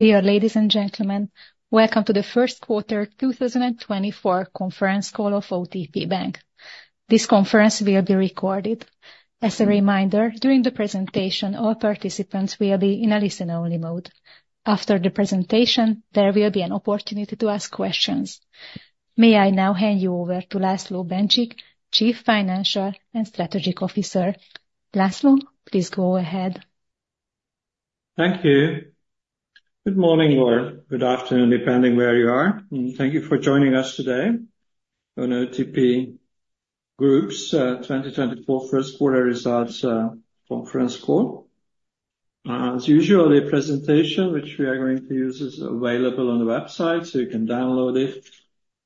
Dear ladies and gentlemen, welcome to the first quarter 2024 conference call of OTP Bank. This conference will be recorded. As a reminder, during the presentation, all participants will be in a listen-only mode. After the presentation, there will be an opportunity to ask questions. May I now hand you over to László Bencsik, Chief Financial and Strategic Officer. László, please go ahead. Thank you. Good morning or good afternoon, depending where you are. Thank you for joining us today on OTP Group's 2024 first quarter results conference call. As usual, the presentation which we are going to use is available on the website, so you can download it.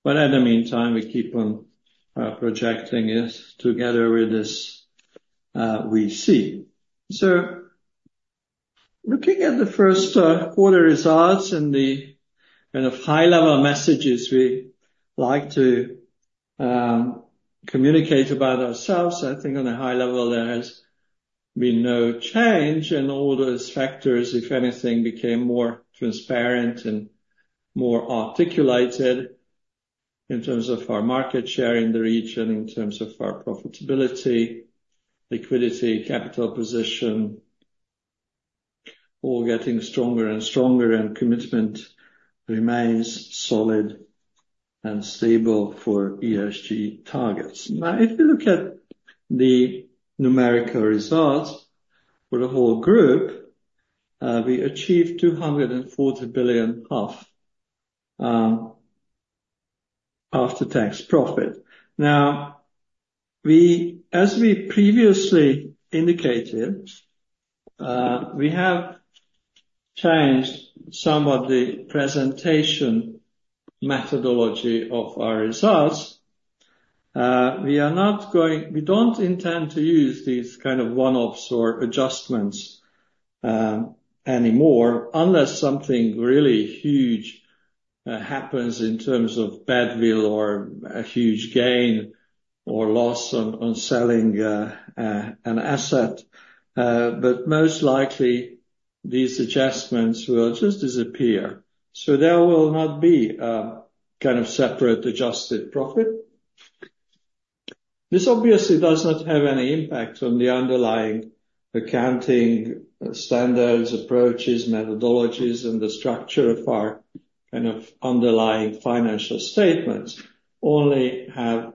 But in the meantime, we keep on projecting it together with this, we see. So, looking at the first quarter results and the kind of high-level messages we like to communicate about ourselves, I think on a high level there has been no change. And all those factors, if anything, became more transparent and more articulated in terms of our market share in the region, in terms of our profitability, liquidity, capital position, all getting stronger and stronger, and commitment remains solid and stable for ESG targets. Now, if we look at the numerical results for the whole group, we achieved HUF 240 billion after-tax profit. Now, as we previously indicated, we have changed somewhat the presentation methodology of our results. We don't intend to use these kind of one-offs or adjustments anymore unless something really huge happens in terms of badwill or a huge gain or loss on selling an asset. But most likely, these adjustments will just disappear. So there will not be a kind of separate adjusted profit. This obviously does not have any impact on the underlying accounting standards, approaches, methodologies, and the structure of our kind of underlying financial statements, only have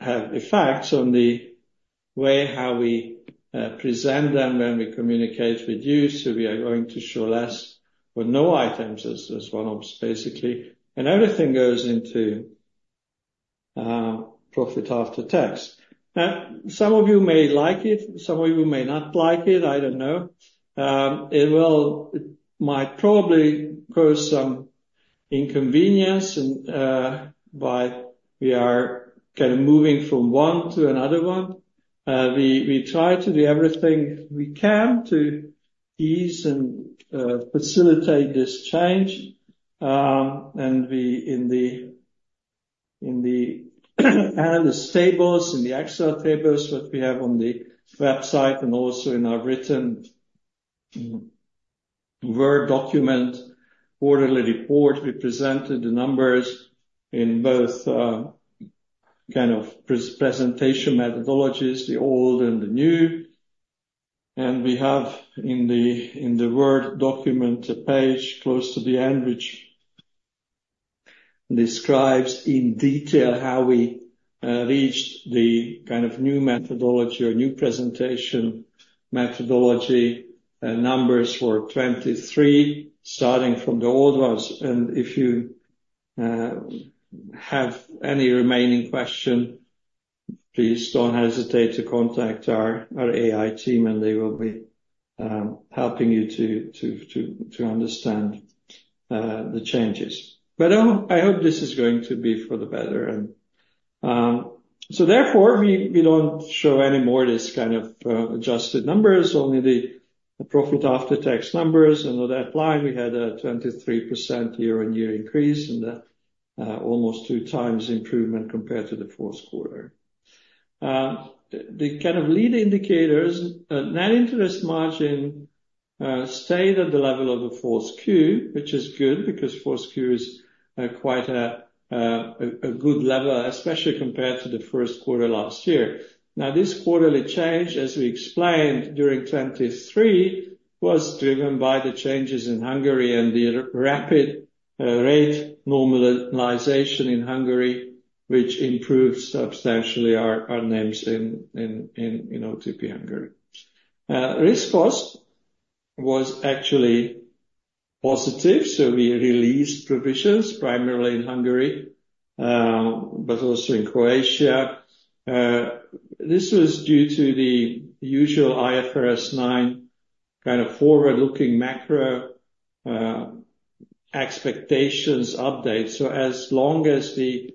effects on the way how we present them when we communicate with you. So we are going to show less or no items as one-offs, basically. And everything goes into profit after tax. Now, some of you may like it. Some of you may not like it. I don't know. It might probably cause some inconvenience by we are kind of moving from one to another one. We try to do everything we can to ease and facilitate this change. And in the analyst tables, in the Excel tables that we have on the website and also in our written Word document quarterly report, we presented the numbers in both kind of presentation methodologies, the old and the new. And we have in the Word document a page close to the end which describes in detail how we reached the kind of new methodology or new presentation methodology. Numbers were 2023, starting from the old ones. And if you have any remaining question, please don't hesitate to contact our IR team, and they will be helping you to understand the changes. But I hope this is going to be for the better. So therefore, we don't show anymore this kind of adjusted numbers, only the profit after-tax numbers. On that line, we had a 23% year-on-year increase and almost 2x improvement compared to the fourth quarter. The kind of lead indicators, net interest margin stayed at the level of the 4Q, which is good because 4Q is quite a good level, especially compared to the first quarter last year. Now, this quarterly change, as we explained during 2023, was driven by the changes in Hungary and the rapid rate normalization in Hungary, which improved substantially our NIMs in OTP Hungary. Risk cost was actually positive. So we released provisions primarily in Hungary but also in Croatia. This was due to the usual IFRS 9 kind of forward-looking macro expectations update. As long as we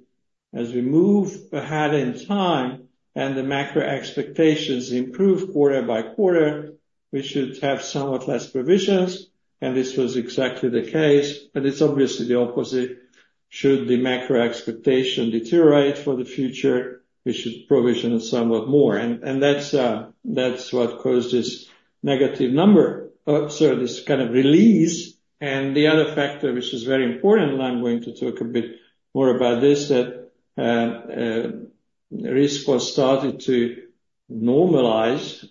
move ahead in time and the macro expectations improve quarter by quarter, we should have somewhat less provisions. This was exactly the case. It's obviously the opposite. Should the macro expectation deteriorate for the future, we should provision somewhat more. That's what caused this negative number, sorry, this kind of release. The other factor, which is very important, and I'm going to talk a bit more about this, that risk cost started to normalize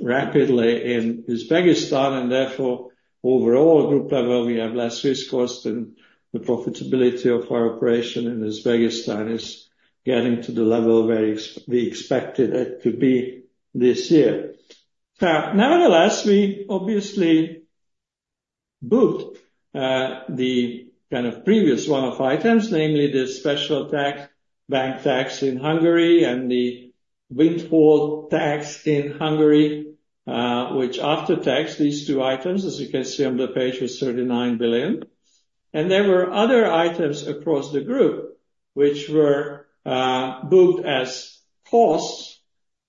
rapidly in Uzbekistan. Therefore, overall group level, we have less risk cost, and the profitability of our operation in Uzbekistan is getting to the level we expected it to be this year. Now, nevertheless, we obviously booked the kind of previous one-off items, namely the special tax, bank tax in Hungary and the windfall tax in Hungary, which after-taxed these two items, as you can see on the page, was 39 billion. There were other items across the group which were booked as costs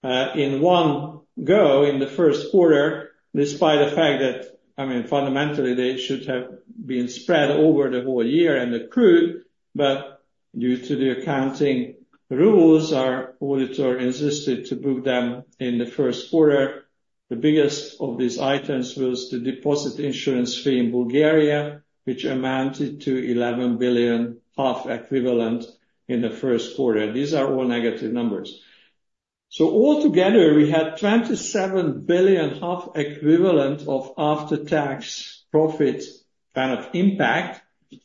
in one go in the first quarter, despite the fact that, I mean, fundamentally, they should have been spread over the whole year and accrued. But due to the accounting rules, our auditor insisted to book them in the first quarter. The biggest of these items was the deposit insurance fee in Bulgaria, which amounted to 11 billion equivalent in the first quarter. These are all negative numbers. Altogether, we had 27 billion equivalent of after-tax profit kind of impact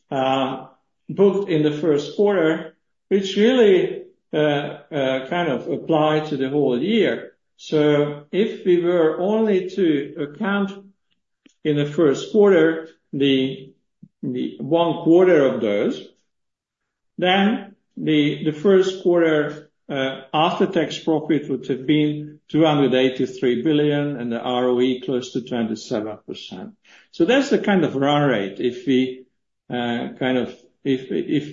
booked in the first quarter, which really kind of applied to the whole year. So if we were only to account in the first quarter one quarter of those, then the first quarter after-tax profit would have been 283 billion and the ROE close to 27%. So that's the kind of run rate. If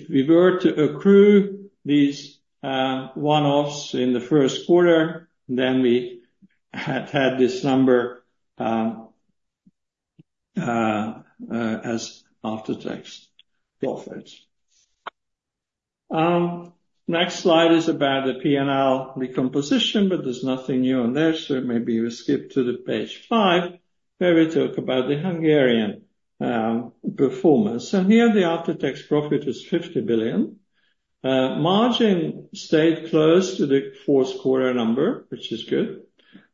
we were to accrue these one-offs in the first quarter, then we had had this number as after-tax profits. Next slide is about the P&L decomposition, but there's nothing new on there, so maybe we skip to page five where we talk about the Hungarian performance. Here, the after-tax profit was 50 billion. Margin stayed close to the fourth quarter number, which is good.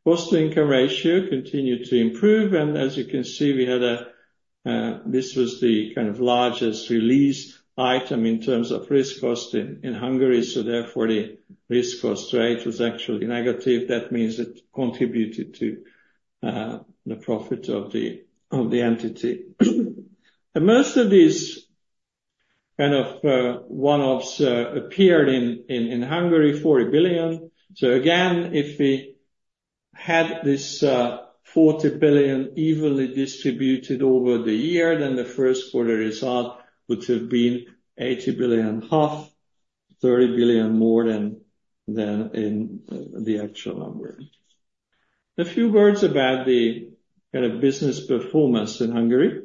Cost-to-income ratio continued to improve. As you can see, this was the kind of largest released item in terms of risk cost in Hungary. So therefore, the risk cost rate was actually negative. That means it contributed to the profit of the entity. Most of these kind of one-offs appeared in Hungary, 40 billion. So again, if we had this 40 billion evenly distributed over the year, then the first quarter result would have been 80 billion, 30 billion more than in the actual number. A few words about the kind of business performance in Hungary.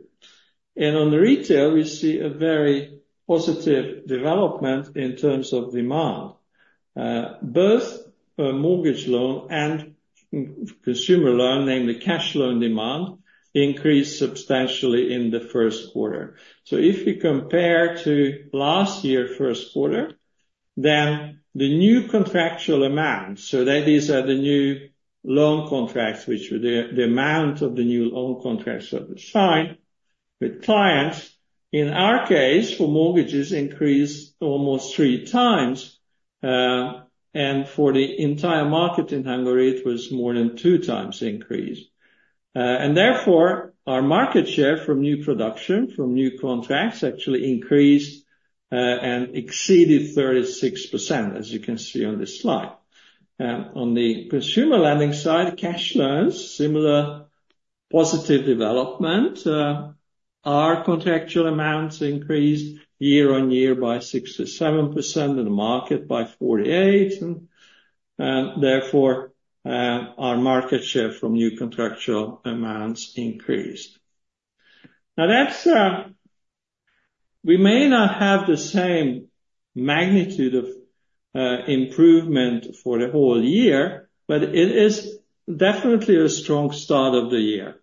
And on the retail, we see a very positive development in terms of demand. Both mortgage loan and consumer loan, namely cash loan demand, increased substantially in the first quarter. So if you compare to last year's first quarter, then the new contractual amount, so that is the new loan contracts, which were the amount of the new loan contracts that were signed with clients, in our case, for mortgages, increased almost 3x. And for the entire market in Hungary, it was more than 2x increased. Therefore, our market share from new production, from new contracts, actually increased and exceeded 36%, as you can see on this slide. On the consumer lending side, cash loans, similar positive development. Our contractual amounts increased year-on-year by 67% and the market by 48%. Therefore, our market share from new contractual amounts increased. Now, we may not have the same magnitude of improvement for the whole year, but it is definitely a strong start of the year.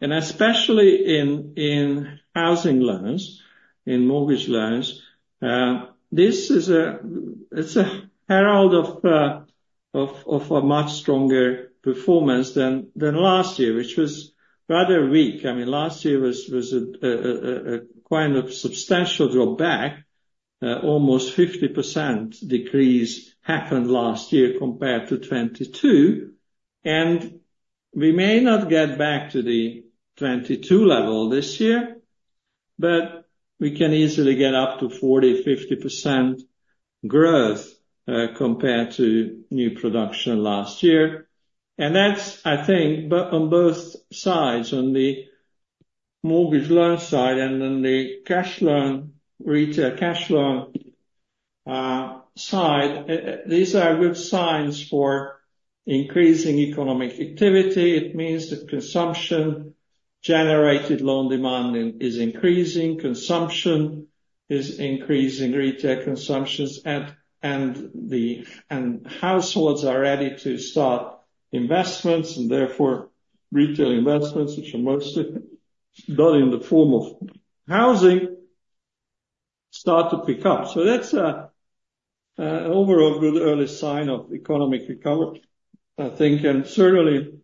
And especially in housing loans, in mortgage loans, it's a herald of a much stronger performance than last year, which was rather weak. I mean, last year was a kind of substantial drawback. Almost 50% decrease happened last year compared to 2022. We may not get back to the 2022 level this year, but we can easily get up to 40%-50% growth compared to new production last year. And that's, I think, on both sides, on the mortgage loan side and on the cash loan, retail cash loan side; these are good signs for increasing economic activity. It means that consumption-generated loan demand is increasing. Consumption is increasing, retail consumptions. And households are ready to start investments. And therefore, retail investments, which are mostly done in the form of housing, start to pick up. So that's an overall good early sign of economic recovery, I think. And certainly,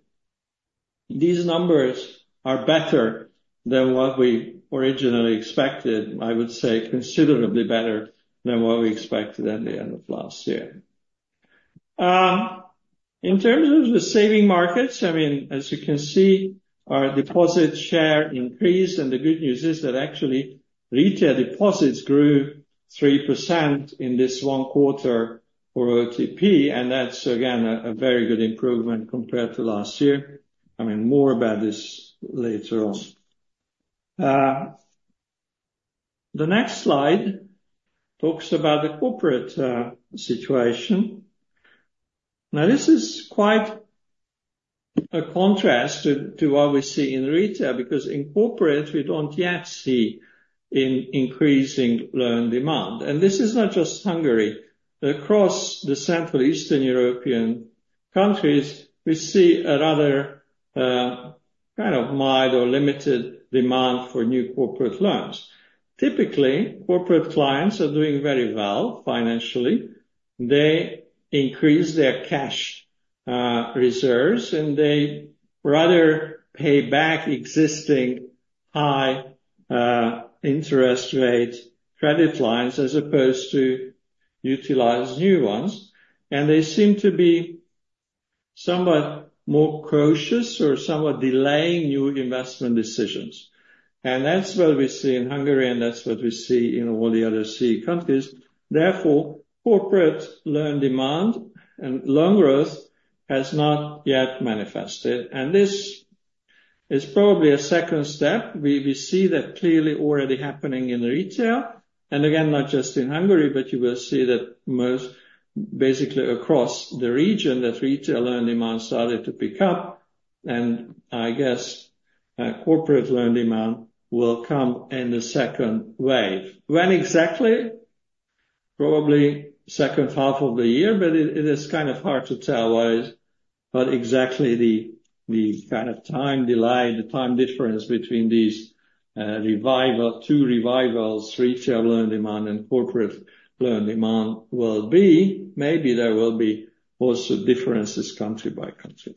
these numbers are better than what we originally expected, I would say, considerably better than what we expected at the end of last year. In terms of the saving markets, I mean, as you can see, our deposit share increased. And the good news is that actually retail deposits grew 3% in this one quarter for OTP. And that's, again, a very good improvement compared to last year. I mean, more about this later on. The next slide talks about the corporate situation. Now, this is quite a contrast to what we see in retail because in corporate, we don't yet see an increasing loan demand. And this is not just Hungary. Across the Central Eastern European countries, we see a rather kind of mild or limited demand for new corporate loans. Typically, corporate clients are doing very well financially. They increase their cash reserves, and they rather pay back existing high-interest rate credit lines as opposed to utilize new ones. And they seem to be somewhat more cautious or somewhat delaying new investment decisions. That's what we see in Hungary, and that's what we see in all the other CE countries. Therefore, corporate loan demand and loan growth has not yet manifested. This is probably a second step. We see that clearly already happening in retail. Again, not just in Hungary, but you will see that basically across the region, that retail loan demand started to pick up. I guess corporate loan demand will come in the second wave. When exactly? Probably second half of the year, but it is kind of hard to tell what exactly the kind of time delay, the time difference between these two revivals, retail loan demand and corporate loan demand, will be. Maybe there will be also differences country by country.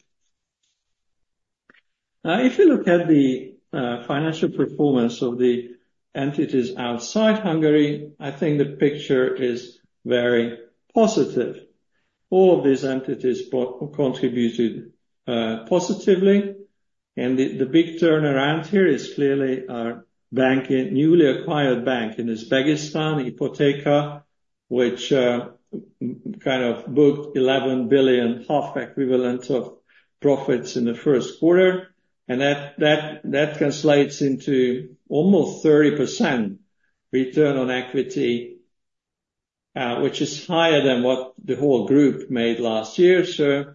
Now, if you look at the financial performance of the entities outside Hungary, I think the picture is very positive. All of these entities contributed positively. The big turnaround here is clearly our newly acquired bank in Uzbekistan, Ipoteka, which kind of booked 11 billion equivalent of profits in the first quarter. That translates into almost 30% return on equity, which is higher than what the whole group made last year. So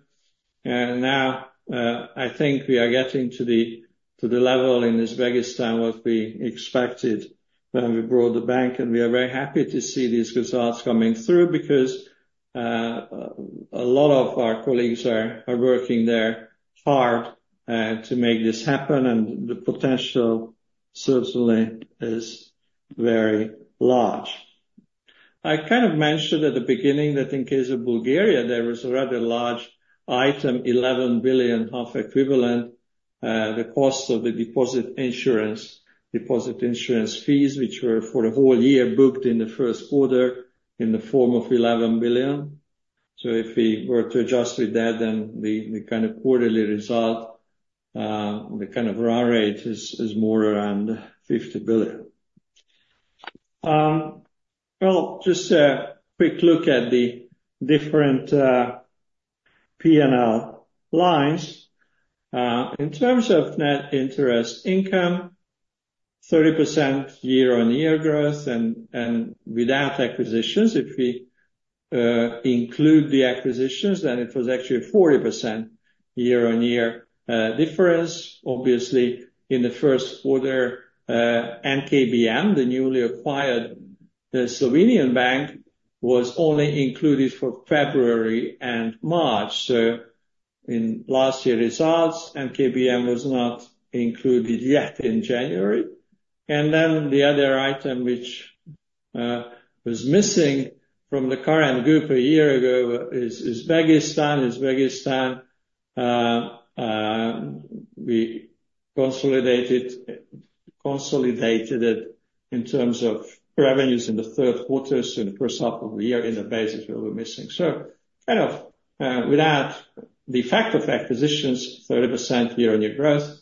now, I think we are getting to the level in Uzbekistan what we expected when we brought the bank. We are very happy to see these results coming through because a lot of our colleagues are working there hard to make this happen. The potential certainly is very large. I kind of mentioned at the beginning that in case of Bulgaria, there was a rather large item, 11 billion equivalent, the cost of the deposit insurance fees, which were for the whole year booked in the first quarter in the form of 11 billion. So if we were to adjust with that, then the kind of quarterly result, the kind of run rate is more around 50 billion. Well, just a quick look at the different P&L lines. In terms of net interest income, 30% year-on-year growth. And without acquisitions, if we include the acquisitions, then it was actually a 40% year-on-year difference. Obviously, in the first quarter, NKBM, the newly acquired Slovenian bank, was only included for February and March. So in last year's results, NKBM was not included yet in January. And then the other item which was missing from the current group a year ago is Uzbekistan. Uzbekistan, we consolidated it in terms of revenues in the third quarter, so in the first half of the year, in the basis we were missing. So kind of without the fact of acquisitions, 30% year-on-year growth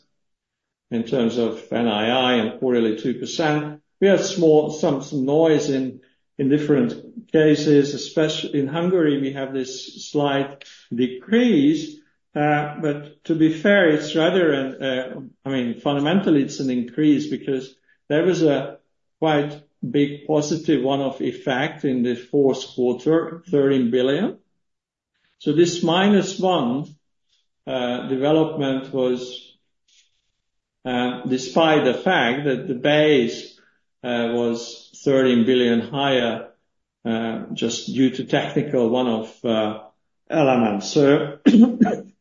in terms of NII and quarterly 2%. We have some noise in different cases. In Hungary, we have this slight decrease. But to be fair, it's rather an I mean, fundamentally, it's an increase because there was a quite big positive one-off effect in the fourth quarter, 13 billion. So this minus one development was despite the fact that the base was 13 billion higher just due to technical one-off elements. So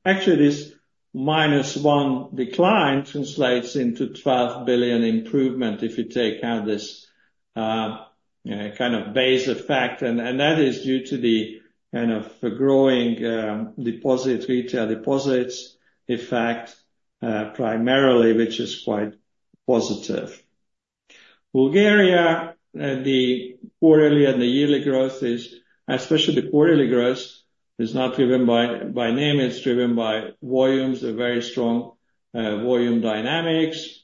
actually, this minus one decline translates into 12 billion improvement if you take out this kind of base effect. And that is due to the kind of growing retail deposits effect primarily, which is quite positive. Bulgaria, the quarterly and the yearly growth is especially the quarterly growth is not driven by NIM. It's driven by volumes, a very strong volume dynamics.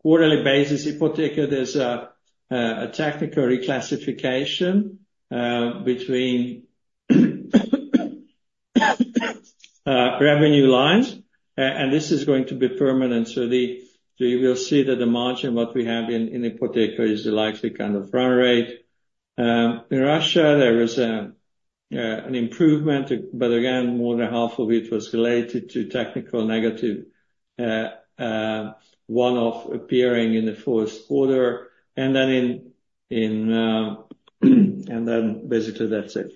Quarterly basis, in Ipoteka, there's a technical reclassification between revenue lines. And this is going to be permanent. So you will see that the margin what we have in Ipoteka is the likely kind of run rate. In Russia, there was an improvement, but again, more than half of it was related to technical negative one-off appearing in the fourth quarter. And then basically, that's it.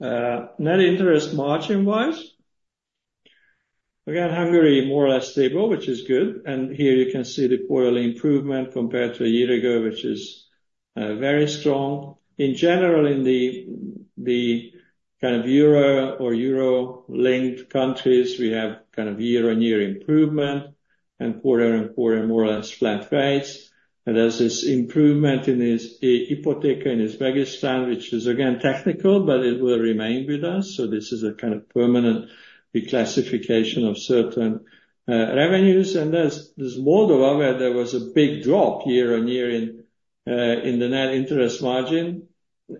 Net interest margin-wise, again, Hungary more or less stable, which is good. And here you can see the quarterly improvement compared to a year ago, which is very strong. In general, in the kind of euro or euro-linked countries, we have kind of year-over-year improvement and quarter-over-quarter more or less flat rates. And there's this improvement in Ipoteka in Uzbekistan, which is, again, technical, but it will remain with us. So this is a kind of permanent reclassification of certain revenues. And there's more than one where there was a big drop year-over-year in the net interest margin.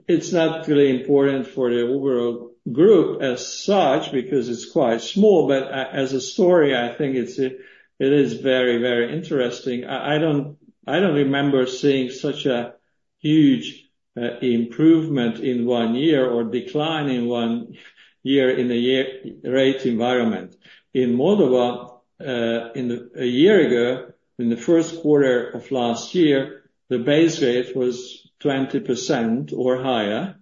It's not really important for the overall group as such because it's quite small. But as a story, I think it is very, very interesting. I don't remember seeing such a huge improvement in one year or decline in one year in a rate environment. In Moldova, a year ago, in the first quarter of last year, the base rate was 20% or higher.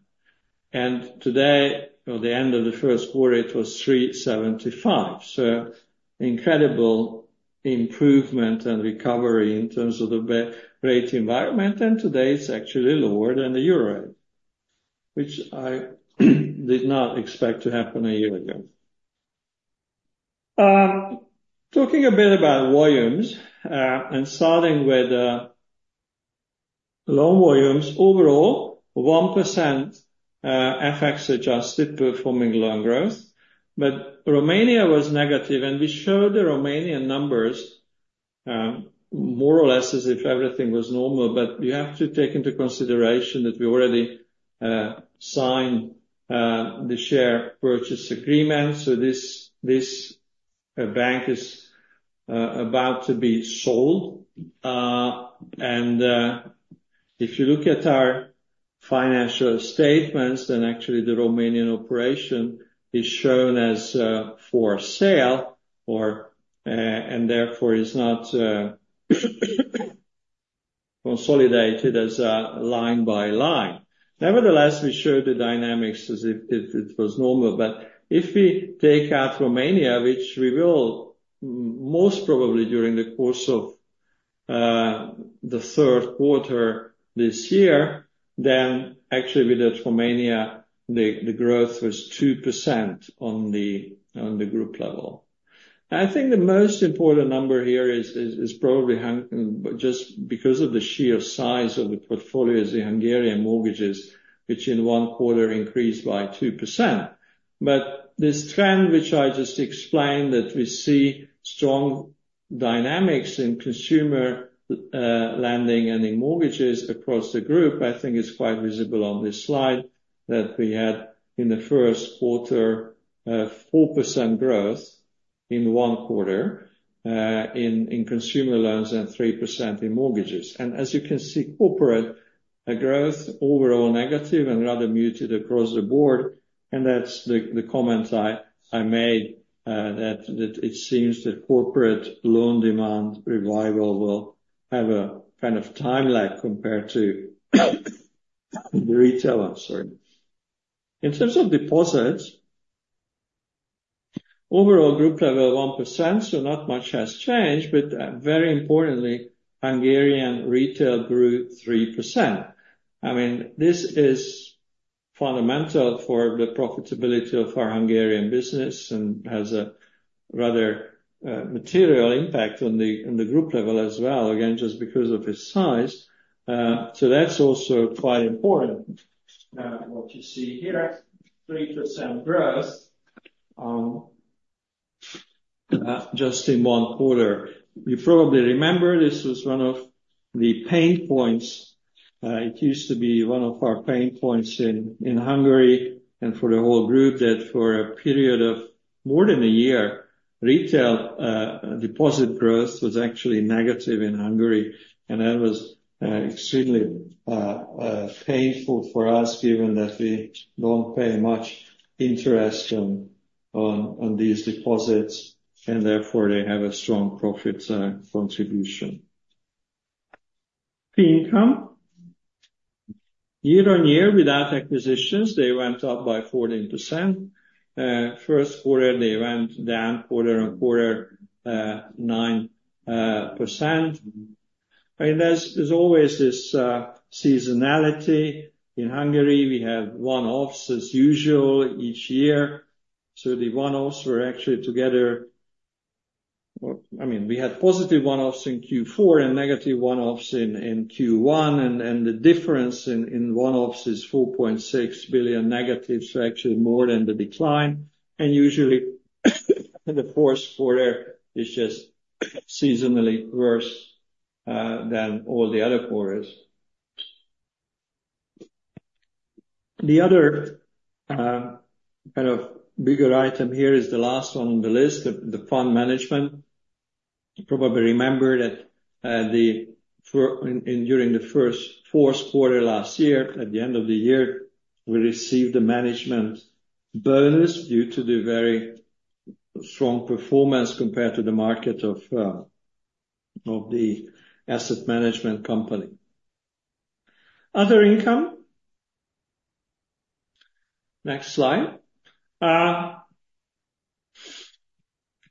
Today, at the end of the first quarter, it was 3.75%. Incredible improvement and recovery in terms of the rate environment. And today, it's actually lower than the Euro, which I did not expect to happen a year ago. Talking a bit about volumes and starting with loan volumes, overall, 1% FX-adjusted performing loan growth. Romania was negative. We showed the Romanian numbers more or less as if everything was normal. You have to take into consideration that we already signed the share purchase agreement. This bank is about to be sold. If you look at our financial statements, then actually the Romanian operation is shown as for sale and therefore is not consolidated as a line by line. Nevertheless, we showed the dynamics as if it was normal. But if we take out Romania, which we will most probably during the course of the third quarter this year, then actually with Romania, the growth was 2% on the group level. I think the most important number here is probably just because of the sheer size of the portfolio as in Hungarian mortgages, which in one quarter increased by 2%. But this trend, which I just explained that we see strong dynamics in consumer lending and in mortgages across the group, I think it's quite visible on this slide that we had in the first quarter 4% growth in one quarter in consumer loans and 3% in mortgages. And as you can see, corporate growth overall negative and rather muted across the board. That's the comment I made that it seems that corporate loan demand revival will have a kind of time lag compared to the retail one, sorry. In terms of deposits, overall group level 1%, so not much has changed. But very importantly, Hungarian retail grew 3%. I mean, this is fundamental for the profitability of our Hungarian business and has a rather material impact on the group level as well, again, just because of its size. So that's also quite important what you see here, 3% growth just in one quarter. You probably remember this was one of the pain points. It used to be one of our pain points in Hungary and for the whole group that for a period of more than a year, retail deposit growth was actually negative in Hungary. That was extremely painful for us given that we don't pay much interest on these deposits. And therefore, they have a strong profit contribution. Fee income, year-over-year, without acquisitions, they went up by 14%. First quarter, they went down quarter-on-quarter 9%. I mean, there's always this seasonality. In Hungary, we have one-offs as usual each year. So the one-offs were actually together I mean, we had positive one-offs in Q4 and negative one-offs in Q1. And the difference in one-offs is 4.6 billion negative, so actually more than the decline. And usually, the fourth quarter is just seasonally worse than all the other quarters. The other kind of bigger item here is the last one on the list, the fund management. You probably remember that during the fourth quarter last year, at the end of the year, we received a management bonus due to the very strong performance compared to the market of the asset management company. Other income, next slide.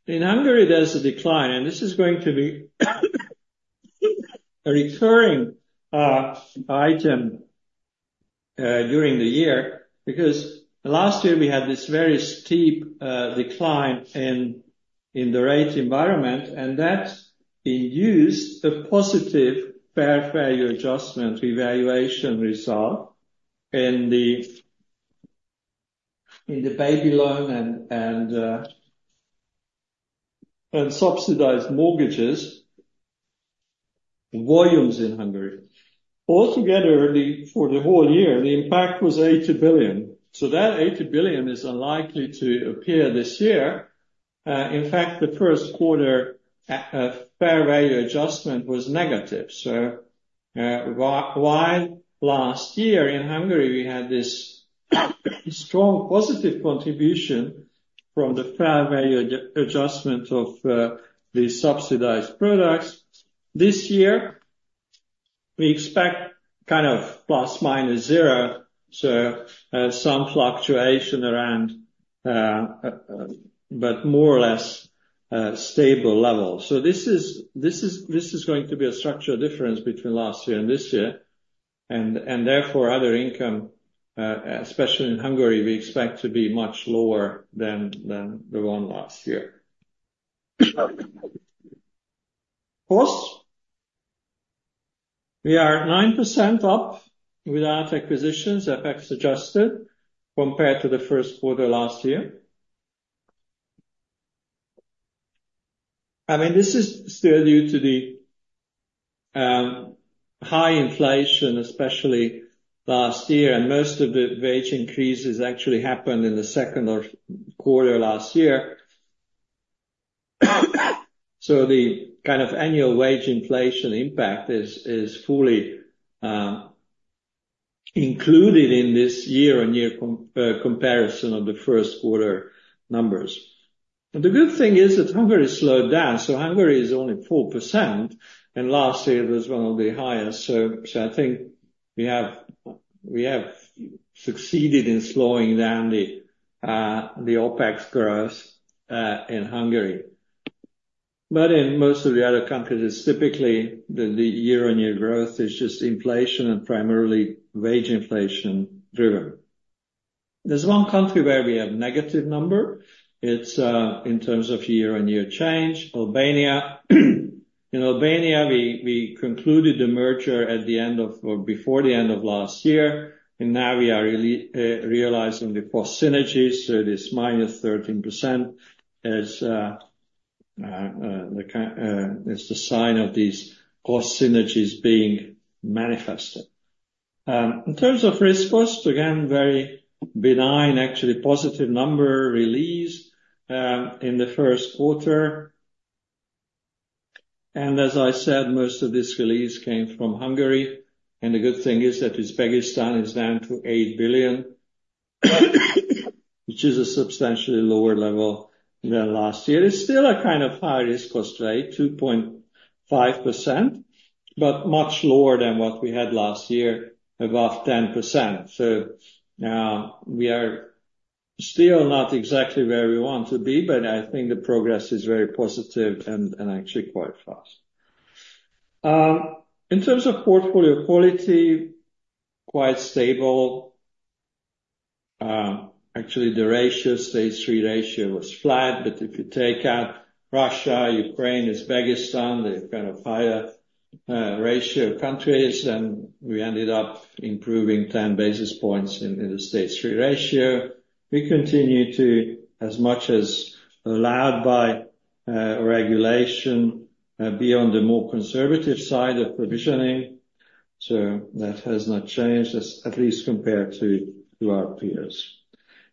In Hungary, there's a decline. This is going to be a recurring item during the year because last year, we had this very steep decline in the rate environment. That induced a positive fair value adjustment revaluation result in the baby loan and subsidized mortgages volumes in Hungary. Altogether, for the whole year, the impact was 80 billion. That 80 billion is unlikely to appear this year. In fact, the first quarter fair value adjustment was negative. So while last year in Hungary, we had this strong positive contribution from the fair value adjustment of the subsidized products, this year, we expect kind of ±0, so some fluctuation around but more or less stable levels. So this is going to be a structural difference between last year and this year. And therefore, other income, especially in Hungary, we expect to be much lower than the one last year. Costs, we are 9% up without acquisitions, FX adjusted, compared to the first quarter last year. I mean, this is still due to the high inflation, especially last year. And most of the wage increases actually happened in the second quarter last year. So the kind of annual wage inflation impact is fully included in this year-over-year comparison of the first quarter numbers. And the good thing is that Hungary slowed down. So Hungary is only 4%. Last year, it was one of the highest. So I think we have succeeded in slowing down the OPEX growth in Hungary. In most of the other countries, it's typically the year-on-year growth is just inflation and primarily wage inflation driven. There's one country where we have a negative number. It's in terms of year-on-year change, Albania. In Albania, we concluded the merger at the end of or before the end of last year. Now we are realizing the cost synergies. This -13% is the sign of these cost synergies being manifested. In terms of risk costs, again, very benign, actually positive number release in the first quarter. As I said, most of this release came from Hungary. The good thing is that Uzbekistan is down to 8 billion, which is a substantially lower level than last year. It's still a kind of high risk cost rate, 2.5%, but much lower than what we had last year, above 10%. So now we are still not exactly where we want to be. But I think the progress is very positive and actually quite fast. In terms of portfolio quality, quite stable. Actually, the ratio, Stage Three ratio was flat. But if you take out Russia, Ukraine, Uzbekistan, the kind of higher ratio countries, then we ended up improving 10 basis points in the Stage Three ratio. We continue to, as much as allowed by regulation, be on the more conservative side of provisioning. So that has not changed, at least compared to our peers.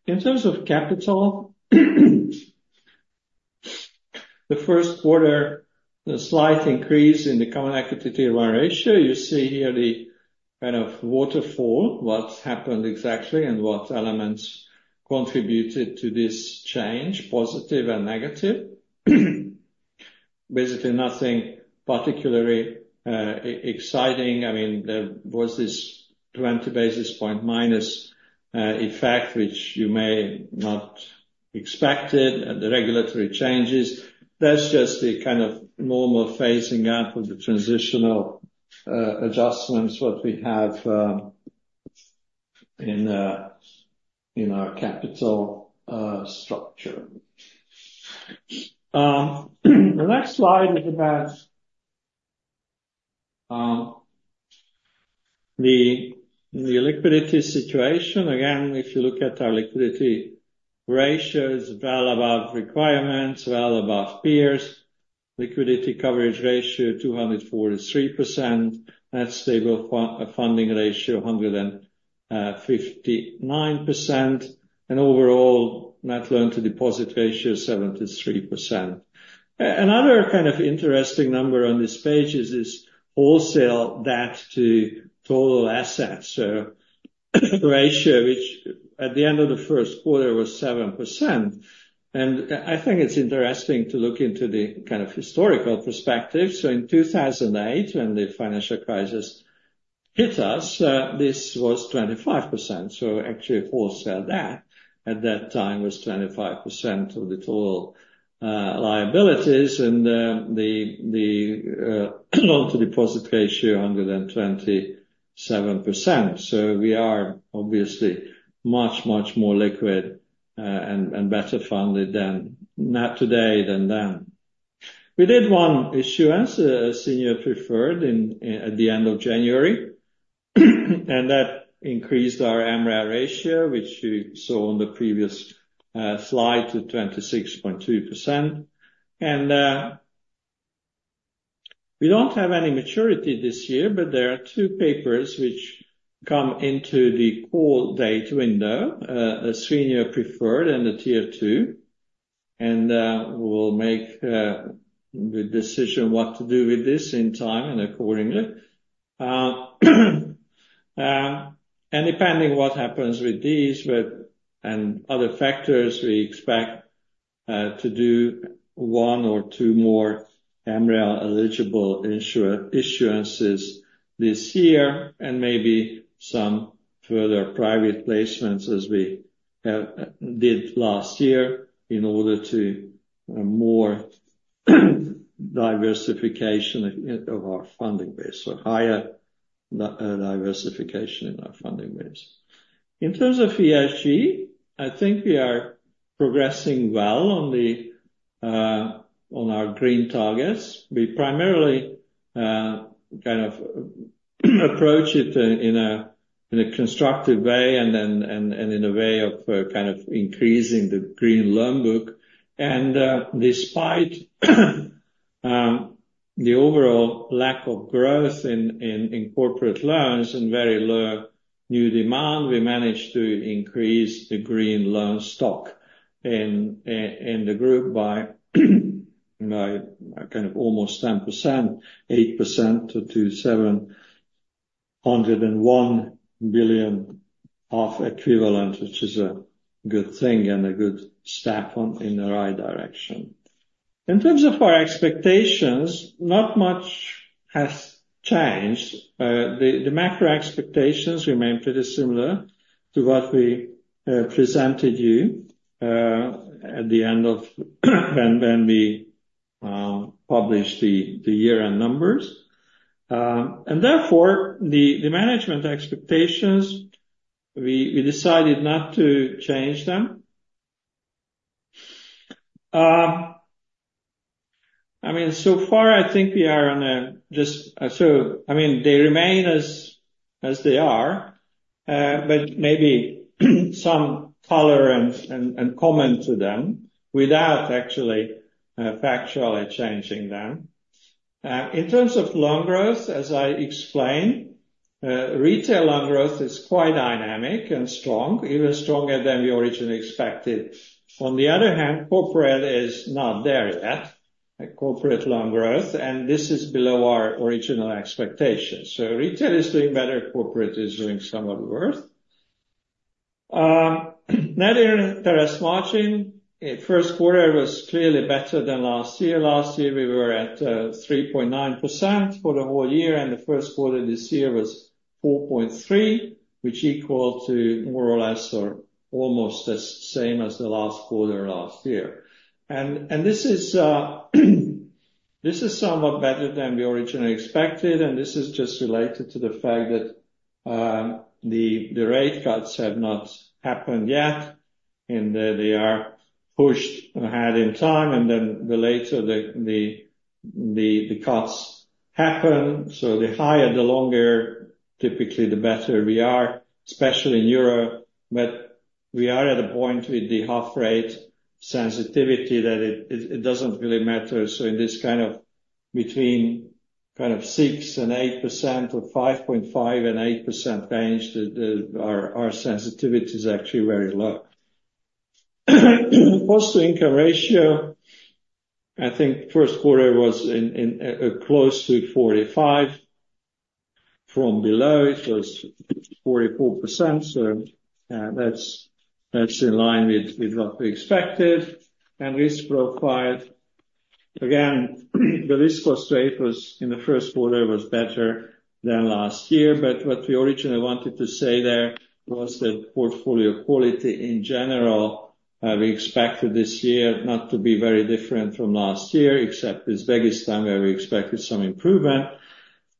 In terms of capital, the first quarter, the slight increase in the Common Equity Tier 1 ratio. You see here the kind of waterfall, what happened exactly and what elements contributed to this change, positive and negative. Basically, nothing particularly exciting. I mean, there was this 20 basis point minus effect, which you may not expected, the regulatory changes. That's just the kind of normal phasing out of the transitional adjustments, what we have in our capital structure. The next slide is about the liquidity situation. Again, if you look at our liquidity ratios, well above requirements, well above peers. Liquidity Coverage Ratio, 243%. That's Net Stable Funding Ratio, 159%. And overall, net loan to deposit ratio, 73%. Another kind of interesting number on this page is wholesale debt to total assets. So the ratio, which at the end of the first quarter was 7%. I think it's interesting to look into the kind of historical perspective. In 2008, when the financial crisis hit us, this was 25%. Actually, wholesale debt at that time was 25% of the total liabilities. The loan to deposit ratio, 127%. We are obviously much, much more liquid and better funded than today than then. We did one issuance, a senior preferred, at the end of January. That increased our MREL ratio, which you saw on the previous slide, to 26.2%. We don't have any maturity this year. There are two papers which come into the call date window, a senior preferred and a Tier 2. We'll make the decision what to do with this in time and accordingly. Depending on what happens with these and other factors, we expect to do one or two more MREL eligible issuances this year and maybe some further private placements as we did last year in order to more diversification of our funding base, so higher diversification in our funding base. In terms of ESG, I think we are progressing well on our green targets. We primarily kind of approach it in a constructive way and in a way of kind of increasing the green loan book. Despite the overall lack of growth in corporate loans and very low new demand, we managed to increase the green loan stock in the group by kind of almost 10%, 8%-10%, 101 billion equivalent, which is a good thing and a good step in the right direction. In terms of our expectations, not much has changed. The macro expectations remain pretty similar to what we presented you at the end of when we published the year-end numbers. Therefore, the management expectations, we decided not to change them. I mean, so far, I think we are on a just so, I mean, they remain as they are. Maybe some color and comment to them without actually factually changing them. In terms of loan growth, as I explained, retail loan growth is quite dynamic and strong, even stronger than we originally expected. On the other hand, corporate is not there yet, corporate loan growth. This is below our original expectations. Retail is doing better. Corporate is doing somewhat worse. Net interest margin, first quarter was clearly better than last year. Last year, we were at 3.9% for the whole year. The first quarter this year was 4.3%, which equaled to more or less or almost the same as the last quarter last year. This is somewhat better than we originally expected. This is just related to the fact that the rate cuts have not happened yet. They are pushed ahead in time. Then later, the cuts happen. So the higher, the longer, typically the better we are, especially in Europe. But we are at a point with the HUF rate sensitivity that it doesn't really matter. So in this kind of between kind of 6%-8% or 5.5%-8% range, our sensitivity is actually very low. Cost-to-income ratio, I think first quarter was close to 45%. From below, it was 44%. So that's in line with what we expected. And risk profile, again, the risk cost rate in the first quarter was better than last year. But what we originally wanted to say there was that portfolio quality in general, we expected this year not to be very different from last year, except Uzbekistan where we expected some improvement.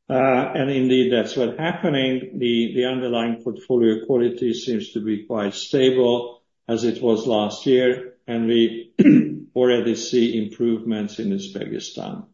And indeed, that's what's happening. The underlying portfolio quality seems to be quite stable as it was last year. And we already see improvements in Uzbekistan.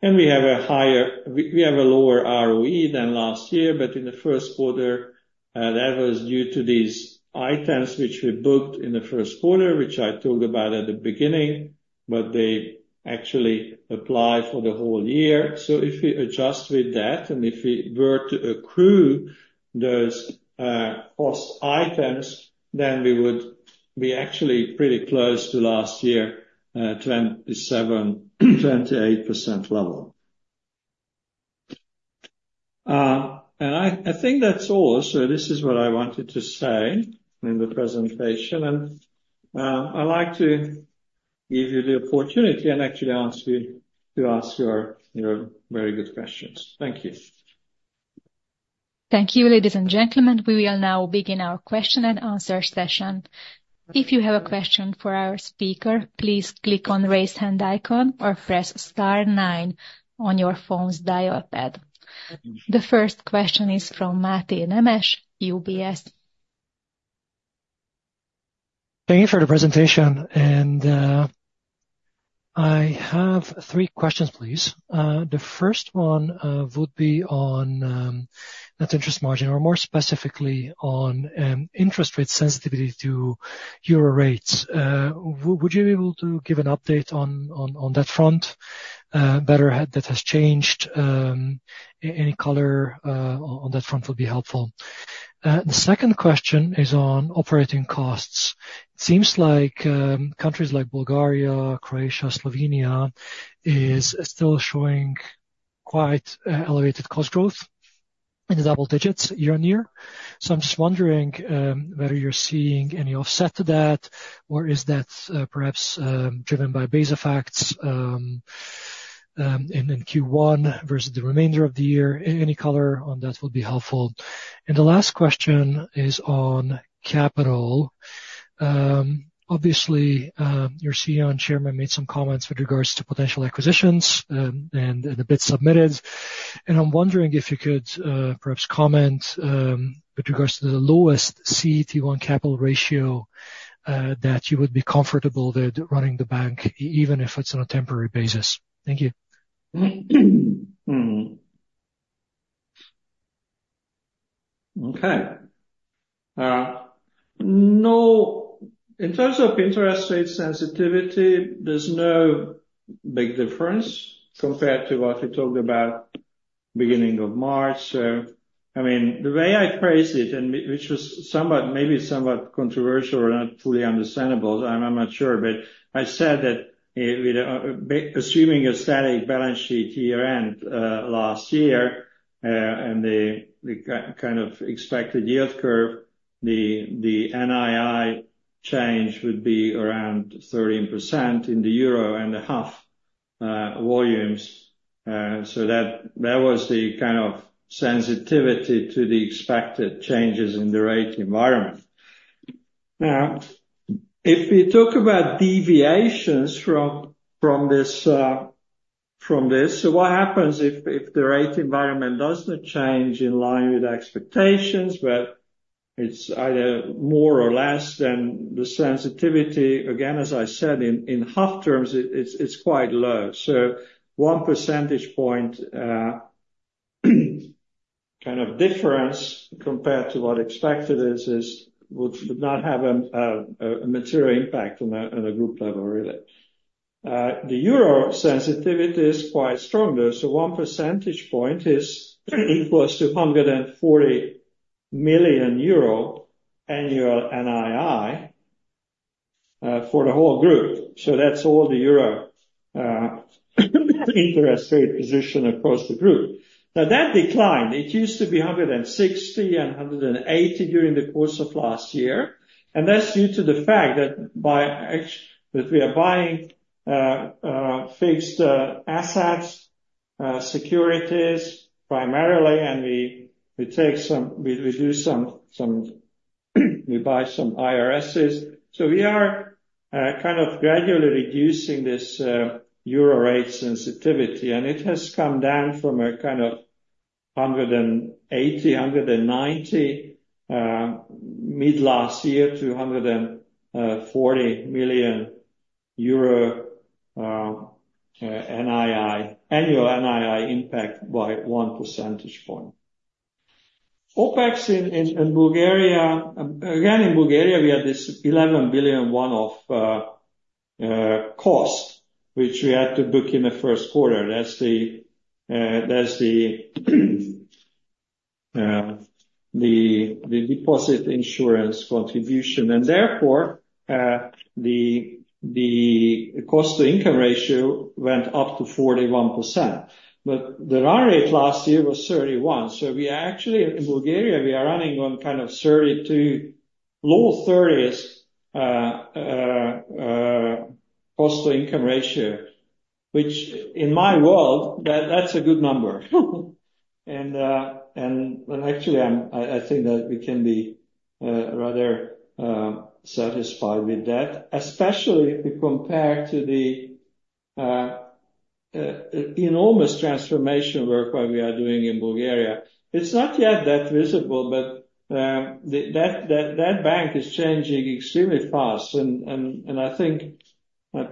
And we have a lower ROE than last year. But in the first quarter, that was due to these items which we booked in the first quarter, which I talked about at the beginning. But they actually apply for the whole year. So if we adjust with that and if we were to accrue those cost items, then we would be actually pretty close to last year's 27%-28% level. I think that's all. This is what I wanted to say in the presentation. I'd like to give you the opportunity and actually ask you to ask your very good questions. Thank you. Thank you, ladies and gentlemen. We will now begin our question and answer session. If you have a question for our speaker, please click on the raise hand icon or press star nine on your phone's dial pad. The first question is from Máté Nemes, UBS. Thank you for the presentation. I have three questions, please. The first one would be on net interest margin or more specifically on interest rate sensitivity to euro rates. Would you be able to give an update on that front, better that has changed? Any color on that front would be helpful. The second question is on operating costs. It seems like countries like Bulgaria, Croatia, Slovenia are still showing quite elevated cost growth in the double digits year-on-year. So I'm just wondering whether you're seeing any offset to that, or is that perhaps driven by base effects in Q1 versus the remainder of the year? Any color on that would be helpful. The last question is on capital. Obviously, your CEO and chairman made some comments with regards to potential acquisitions and the bids submitted. I'm wondering if you could perhaps comment with regards to the lowest CET1 capital ratio that you would be comfortable with running the bank, even if it's on a temporary basis. Thank you. Okay. No. In terms of interest rate sensitivity, there's no big difference compared to what we talked about beginning of March. So I mean, the way I phrased it, which was maybe somewhat controversial or not fully understandable, I'm not sure. But I said that assuming a static balance sheet year-end last year and the kind of expected yield curve, the NII change would be around 13% in the EUR and HUF volumes. So that was the kind of sensitivity to the expected changes in the rate environment. Now, if we talk about deviations from this, so what happens if the rate environment doesn't change in line with expectations, but it's either more or less than the sensitivity? Again, as I said, in HUF terms, it's quite low. So 1% point kind of difference compared to what expected is would not have a material impact on a group level, really. The euro sensitivity is quite strong there. So one percentage point is equal to 140 million euro annual NII for the whole group. So that's all the euro interest rate position across the group. Now, that declined, it used to be 160-180 million during the course of last year. And that's due to the fact that we are buying fixed assets, securities primarily. And we buy some IRSs. So we are kind of gradually reducing this euro rate sensitivity. And it has come down from a kind of 180-190 million euro mid-last year to EUR 140 million annual NII impact by one percentage point. OPEX in Bulgaria, again, in Bulgaria, we had this 11 billion one-off cost, which we had to book in the first quarter. That's the deposit insurance contribution. Therefore, the cost-to-income ratio went up to 41%. But the run rate last year was 31%. So in Bulgaria, we are running on kind of low 30s cost-to-income ratio, which in my world, that's a good number. And actually, I think that we can be rather satisfied with that, especially if we compare to the enormous transformation work that we are doing in Bulgaria. It's not yet that visible, but that bank is changing extremely fast. And I think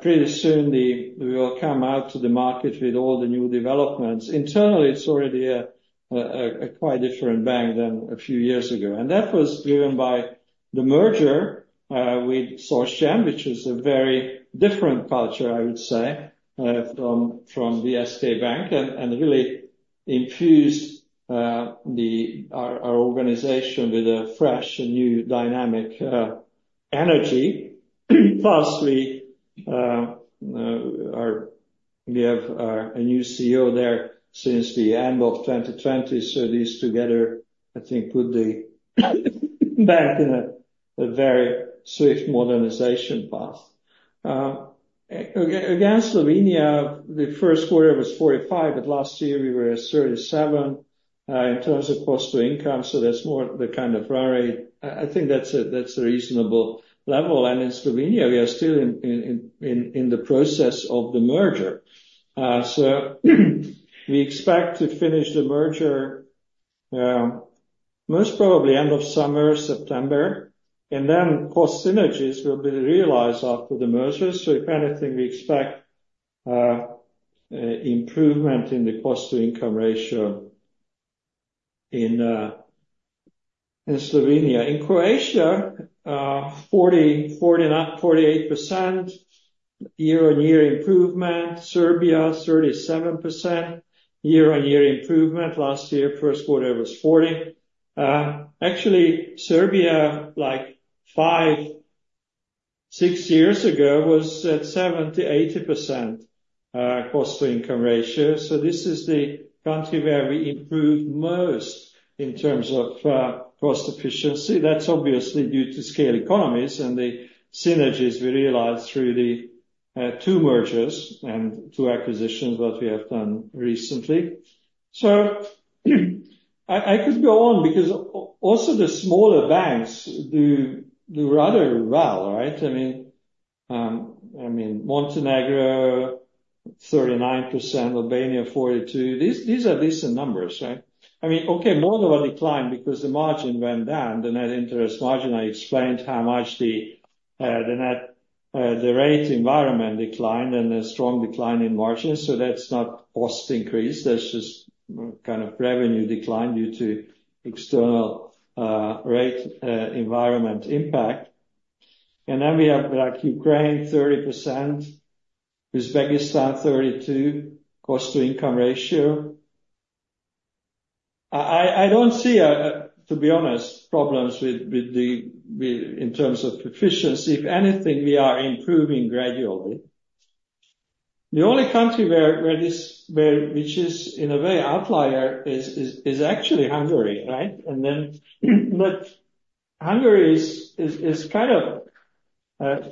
pretty soon we will come out to the market with all the new developments. Internally, it's already a quite different bank than a few years ago. And that was driven by the merger with SocGen, which is a very different culture, I would say, from the DSK Bank and really infused our organization with a fresh and new dynamic energy. Plus, we have a new CEO there since the end of 2020. So these together, I think, put the bank in a very swift modernization path. Against Slovenia, the first quarter was 45%, but last year we were at 37% in terms of cost to income. So that's more the kind of run rate. I think that's a reasonable level. And in Slovenia, we are still in the process of the merger. So we expect to finish the merger most probably end of summer, September. And then cost synergies will be realized after the merger. So if anything, we expect improvement in the cost to income ratio in Slovenia. In Croatia, 48% year-on-year improvement. Serbia, 37% year-on-year improvement. Last year, first quarter was 40%. Actually, Serbia, like five, six years ago, was at 70%-80% cost-to-income ratio. So this is the country where we improved most in terms of cost efficiency. That's obviously due to scale economies and the synergies we realized through the two mergers and two acquisitions that we have done recently. So I could go on because also the smaller banks do rather well, right? I mean, Montenegro, 39%, Albania, 42%. These are decent numbers, right? I mean, okay, more than what declined because the margin went down, the net interest margin. I explained how much the rate environment declined and a strong decline in margins. So that's not cost increase. That's just kind of revenue decline due to external rate environment impact. And then we have Ukraine, 30%. Uzbekistan, 32% cost-to-income ratio. I don't see, to be honest, problems in terms of efficiency. If anything, we are improving gradually. The only country which is in a way outlier is actually Hungary, right? But Hungary is kind of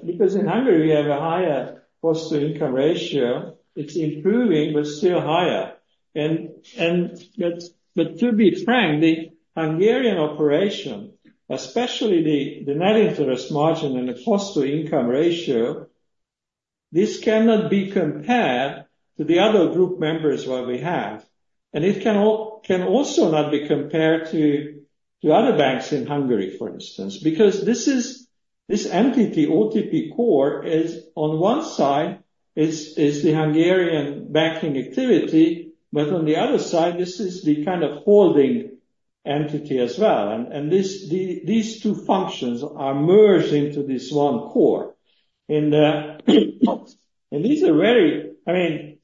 because in Hungary, we have a higher cost to income ratio. It's improving, but still higher. But to be frank, the Hungarian operation, especially the net interest margin and the cost to income ratio, this cannot be compared to the other group members that we have. And it can also not be compared to other banks in Hungary, for instance, because this entity, OTP Core, on one side is the Hungarian banking activity, but on the other side, this is the kind of holding entity as well. And these two functions are merged into this one core. These are very I mean,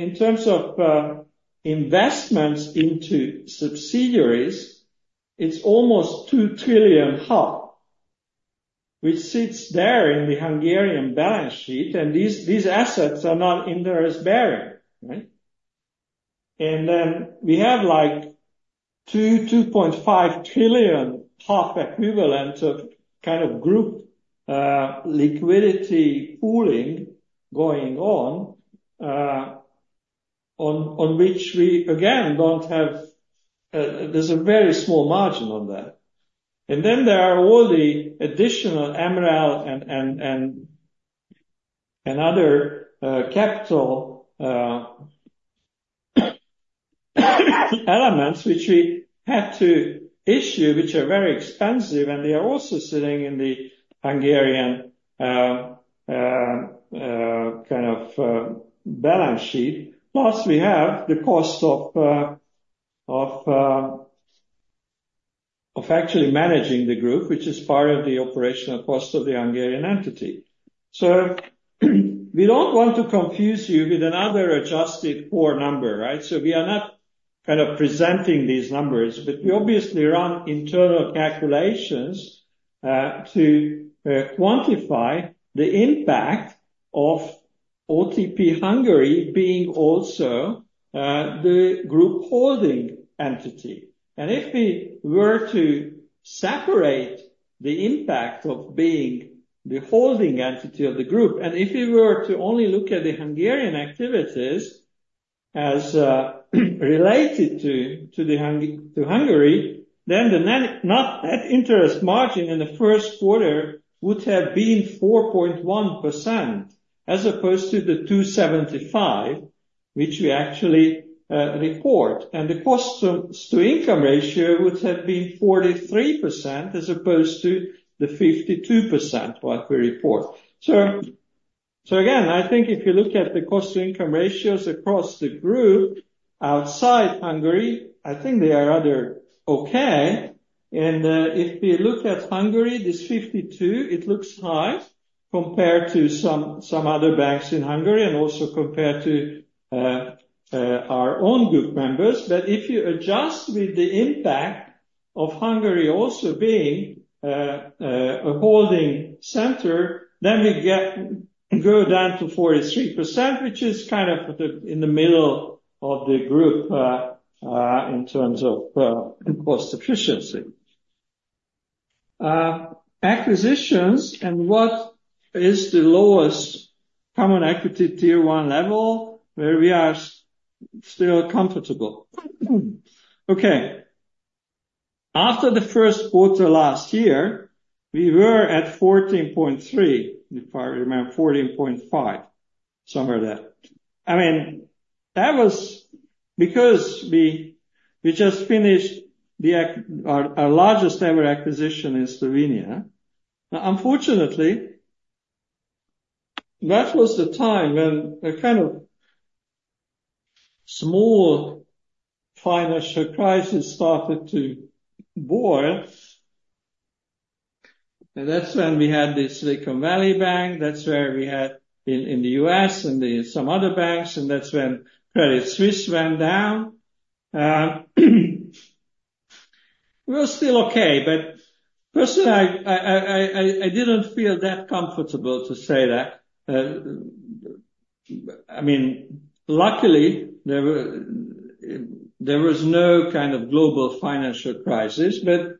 in terms of investments into subsidiaries, it's almost 2 trillion, which sits there in the Hungarian balance sheet. These assets are not interest bearing, right? Then we have like 2-2.5 trillion equivalent of kind of group liquidity pooling going on, on which we, again, don't have. There's a very small margin on that. Then there are all the additional MREL and other capital elements which we have to issue, which are very expensive. And they are also sitting in the Hungarian kind of balance sheet. Plus, we have the cost of actually managing the group, which is part of the operational cost of the Hungarian entity. So we don't want to confuse you with another adjusted core number, right? So we are not kind of presenting these numbers, but we obviously run internal calculations to quantify the impact of OTP Hungary being also the group holding entity. And if we were to separate the impact of being the holding entity of the group, and if we were to only look at the Hungarian activities as related to Hungary, then the net interest margin in the first quarter would have been 4.1% as opposed to the 2.75%, which we actually report. And the cost to income ratio would have been 43% as opposed to the 52% what we report. So again, I think if you look at the cost to income ratios across the group outside Hungary, I think they are rather okay. And if we look at Hungary, this 52%, it looks high compared to some other banks in Hungary and also compared to our own group members. But if you adjust with the impact of Hungary also being a holding center, then we go down to 43%, which is kind of in the middle of the group in terms of cost efficiency. Acquisitions and what is the lowest Common Equity Tier 1 level where we are still comfortable? Okay. After the first quarter last year, we were at 14.3%, if I remember, 14.5%, somewhere there. I mean, that was because we just finished our largest ever acquisition in Slovenia. Now, unfortunately, that was the time when a kind of small financial crisis started to boil. And that's when we had the Silicon Valley Bank. That's where we had in the US and some other banks. And that's when Credit Suisse went down. We were still okay. But personally, I didn't feel that comfortable to say that. I mean, luckily, there was no kind of global financial crisis. But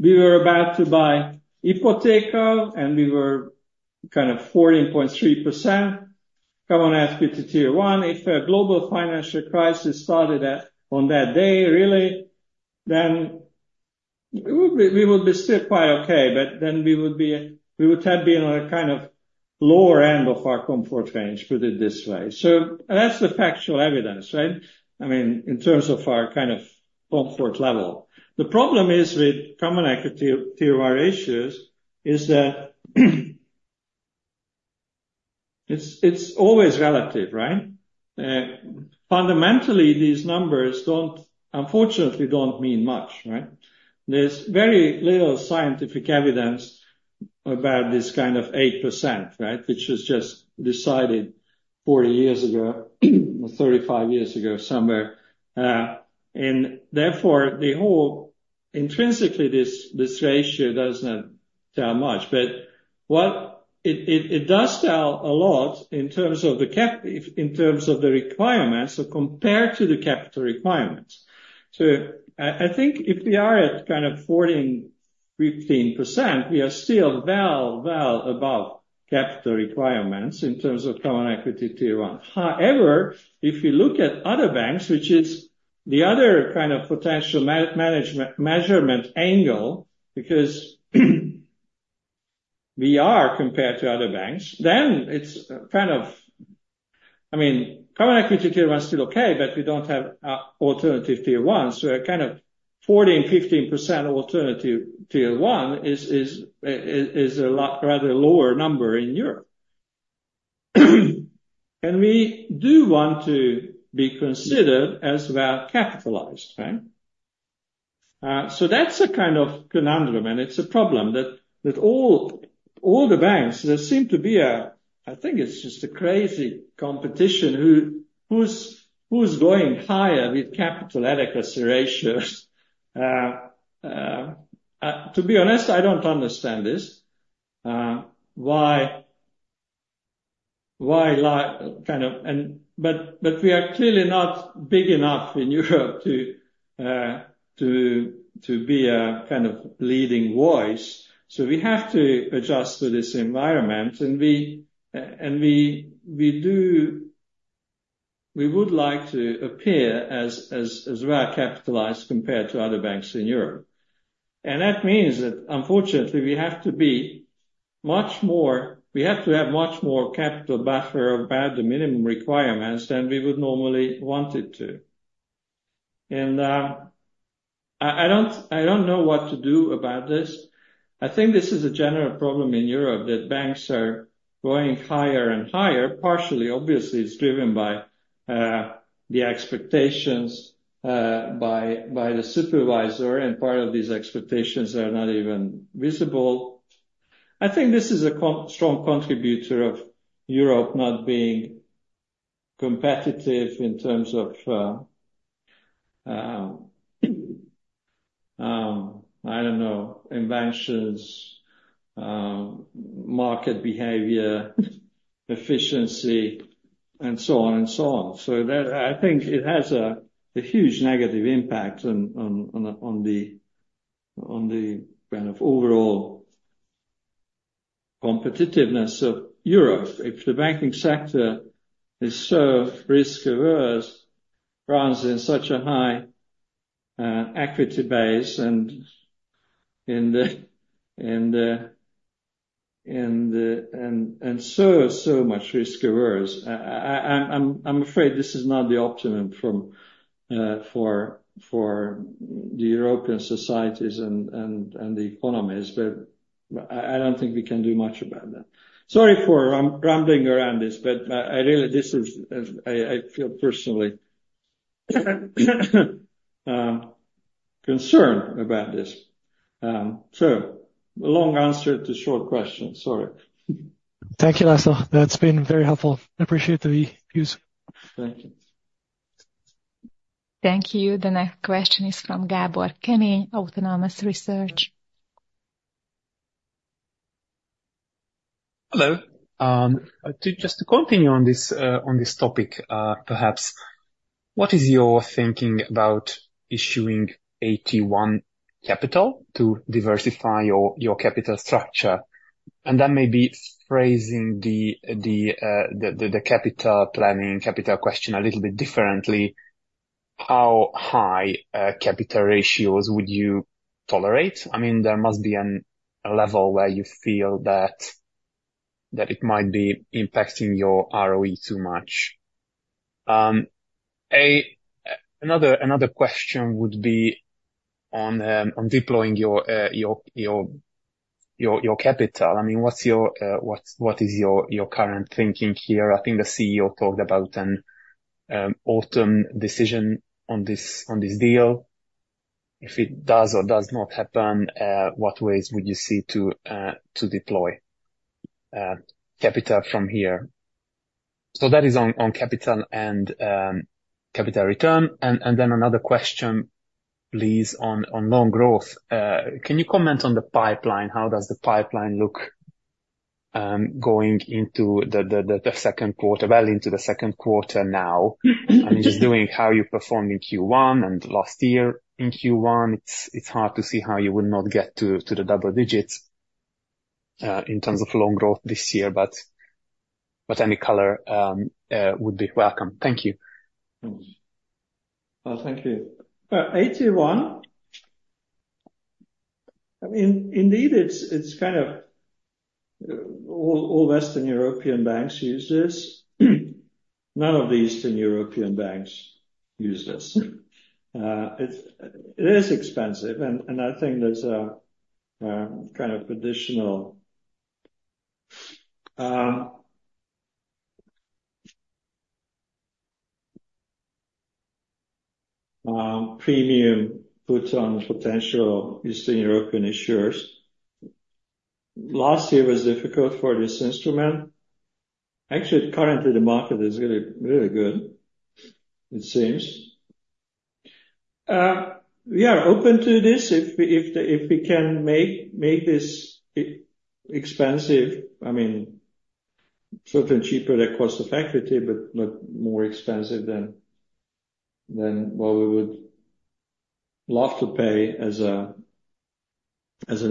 we were about to buy Ipoteka, and we were kind of 14.3%. Come on, CET1 Tier 1. If a global financial crisis started on that day, really, then we would be still quite okay. But then we would have been on a kind of lower end of our comfort range, put it this way. So that's the factual evidence, right? I mean, in terms of our kind of comfort level. The problem is with Common Equity Tier 1 ratios is that it's always relative, right? Fundamentally, these numbers unfortunately don't mean much, right? There's very little scientific evidence about this kind of 8%, right, which was just decided 40 years ago or 35 years ago somewhere. And therefore, intrinsically, this ratio doesn't tell much. But it does tell a lot in terms of the requirements compared to the capital requirements. So I think if we are at kind of 14%-15%, we are still well, well above capital requirements in terms of Common Equity Tier 1. However, if you look at other banks, which is the other kind of potential measurement angle, because we are compared to other banks, then it's kind of I mean, Common Equity Tier 1 is still okay, but we don't have alternative Tier 1. So a kind of 14%-15% alternative Tier 1 is a rather lower number in Europe. And we do want to be considered as well capitalized, right? So that's a kind of conundrum. And it's a problem that all the banks, there seem to be a I think it's just a crazy competition who's going higher with capital adequacy ratios. To be honest, I don't understand why, kind of, but we are clearly not big enough in Europe to be a kind of leading voice. So we have to adjust to this environment. And we do we would like to appear as well capitalized compared to other banks in Europe. And that means that, unfortunately, we have to be much more we have to have much more capital buffer about the minimum requirements than we would normally want it to. And I don't know what to do about this. I think this is a general problem in Europe that banks are going higher and higher. Partially, obviously, it's driven by the expectations by the supervisor. And part of these expectations are not even visible. I think this is a strong contributor of Europe not being competitive in terms of, I don't know, inventions, market behavior, efficiency, and so on and so on. So I think it has a huge negative impact on the kind of overall competitiveness of Europe. If the banking sector is so risk-averse runs in such a high equity base and so, so much risk-averse, I'm afraid this is not the optimum for the European societies and the economies. But I don't think we can do much about that. Sorry for rambling around this, but I really feel personally concerned about this. So long answer to short question. Sorry. Thank you, László. That's been very helpful. I appreciate the views. Thank you. Thank you. The next question is from Gábor Kemény, Autonomous Research. Hello. Just to continue on this topic, perhaps, what is your thinking about issuing AT1 capital to diversify your capital structure? And that may be phrasing the capital planning, capital question a little bit differently. How high capital ratios would you tolerate? I mean, there must be a level where you feel that it might be impacting your ROE too much. Another question would be on deploying your capital. I mean, what is your current thinking here? I think the CEO talked about an autumn decision on this deal. If it does or does not happen, what ways would you see to deploy capital from here? So that is on capital and capital return. And then another question, please, on loan growth. Can you comment on the pipeline? How does the pipeline look going into the second quarter, well into the second quarter now? I mean, just given how you performed in Q1 and last year in Q1, it's hard to see how you would not get to the double digits in terms of loan growth this year. But any color would be welcome. Thank you. Thank you. AT1. Indeed, it's kind of all Western European banks use this. None of the Eastern European banks use this. It is expensive. And I think there's a kind of additional premium put on potential Eastern European issuers. Last year was difficult for this instrument. Actually, currently, the market is really good, it seems. We are open to this if we can make this expensive I mean, certainly cheaper at cost of equity, but more expensive than what we would love to pay as an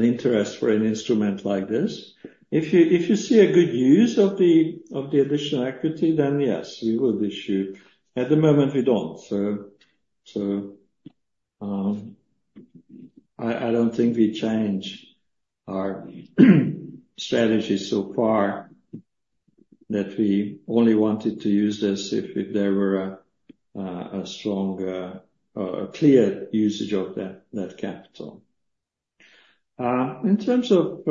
interest for an instrument like this. If you see a good use of the additional equity, then yes, we would issue. At the moment, we don't. So I don't think we change our strategy so far that we only wanted to use this if there were a strong or clear usage of that capital. In terms of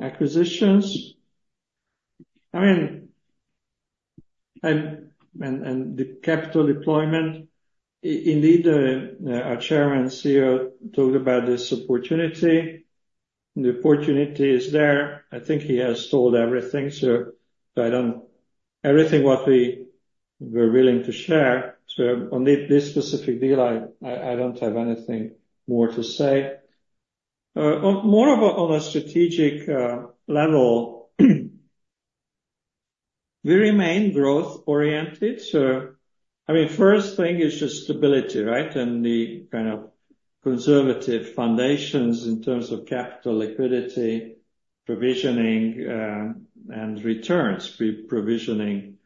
acquisitions, I mean, and the capital deployment, indeed, our chairman here talked about this opportunity. The opportunity is there. I think he has told everything. So everything what we were willing to share. So on this specific deal, I don't have anything more to say. More on a strategic level, we remain growth-oriented. So I mean, first thing is just stability, right, and the kind of conservative foundations in terms of capital liquidity, provisioning, and returns, provisioning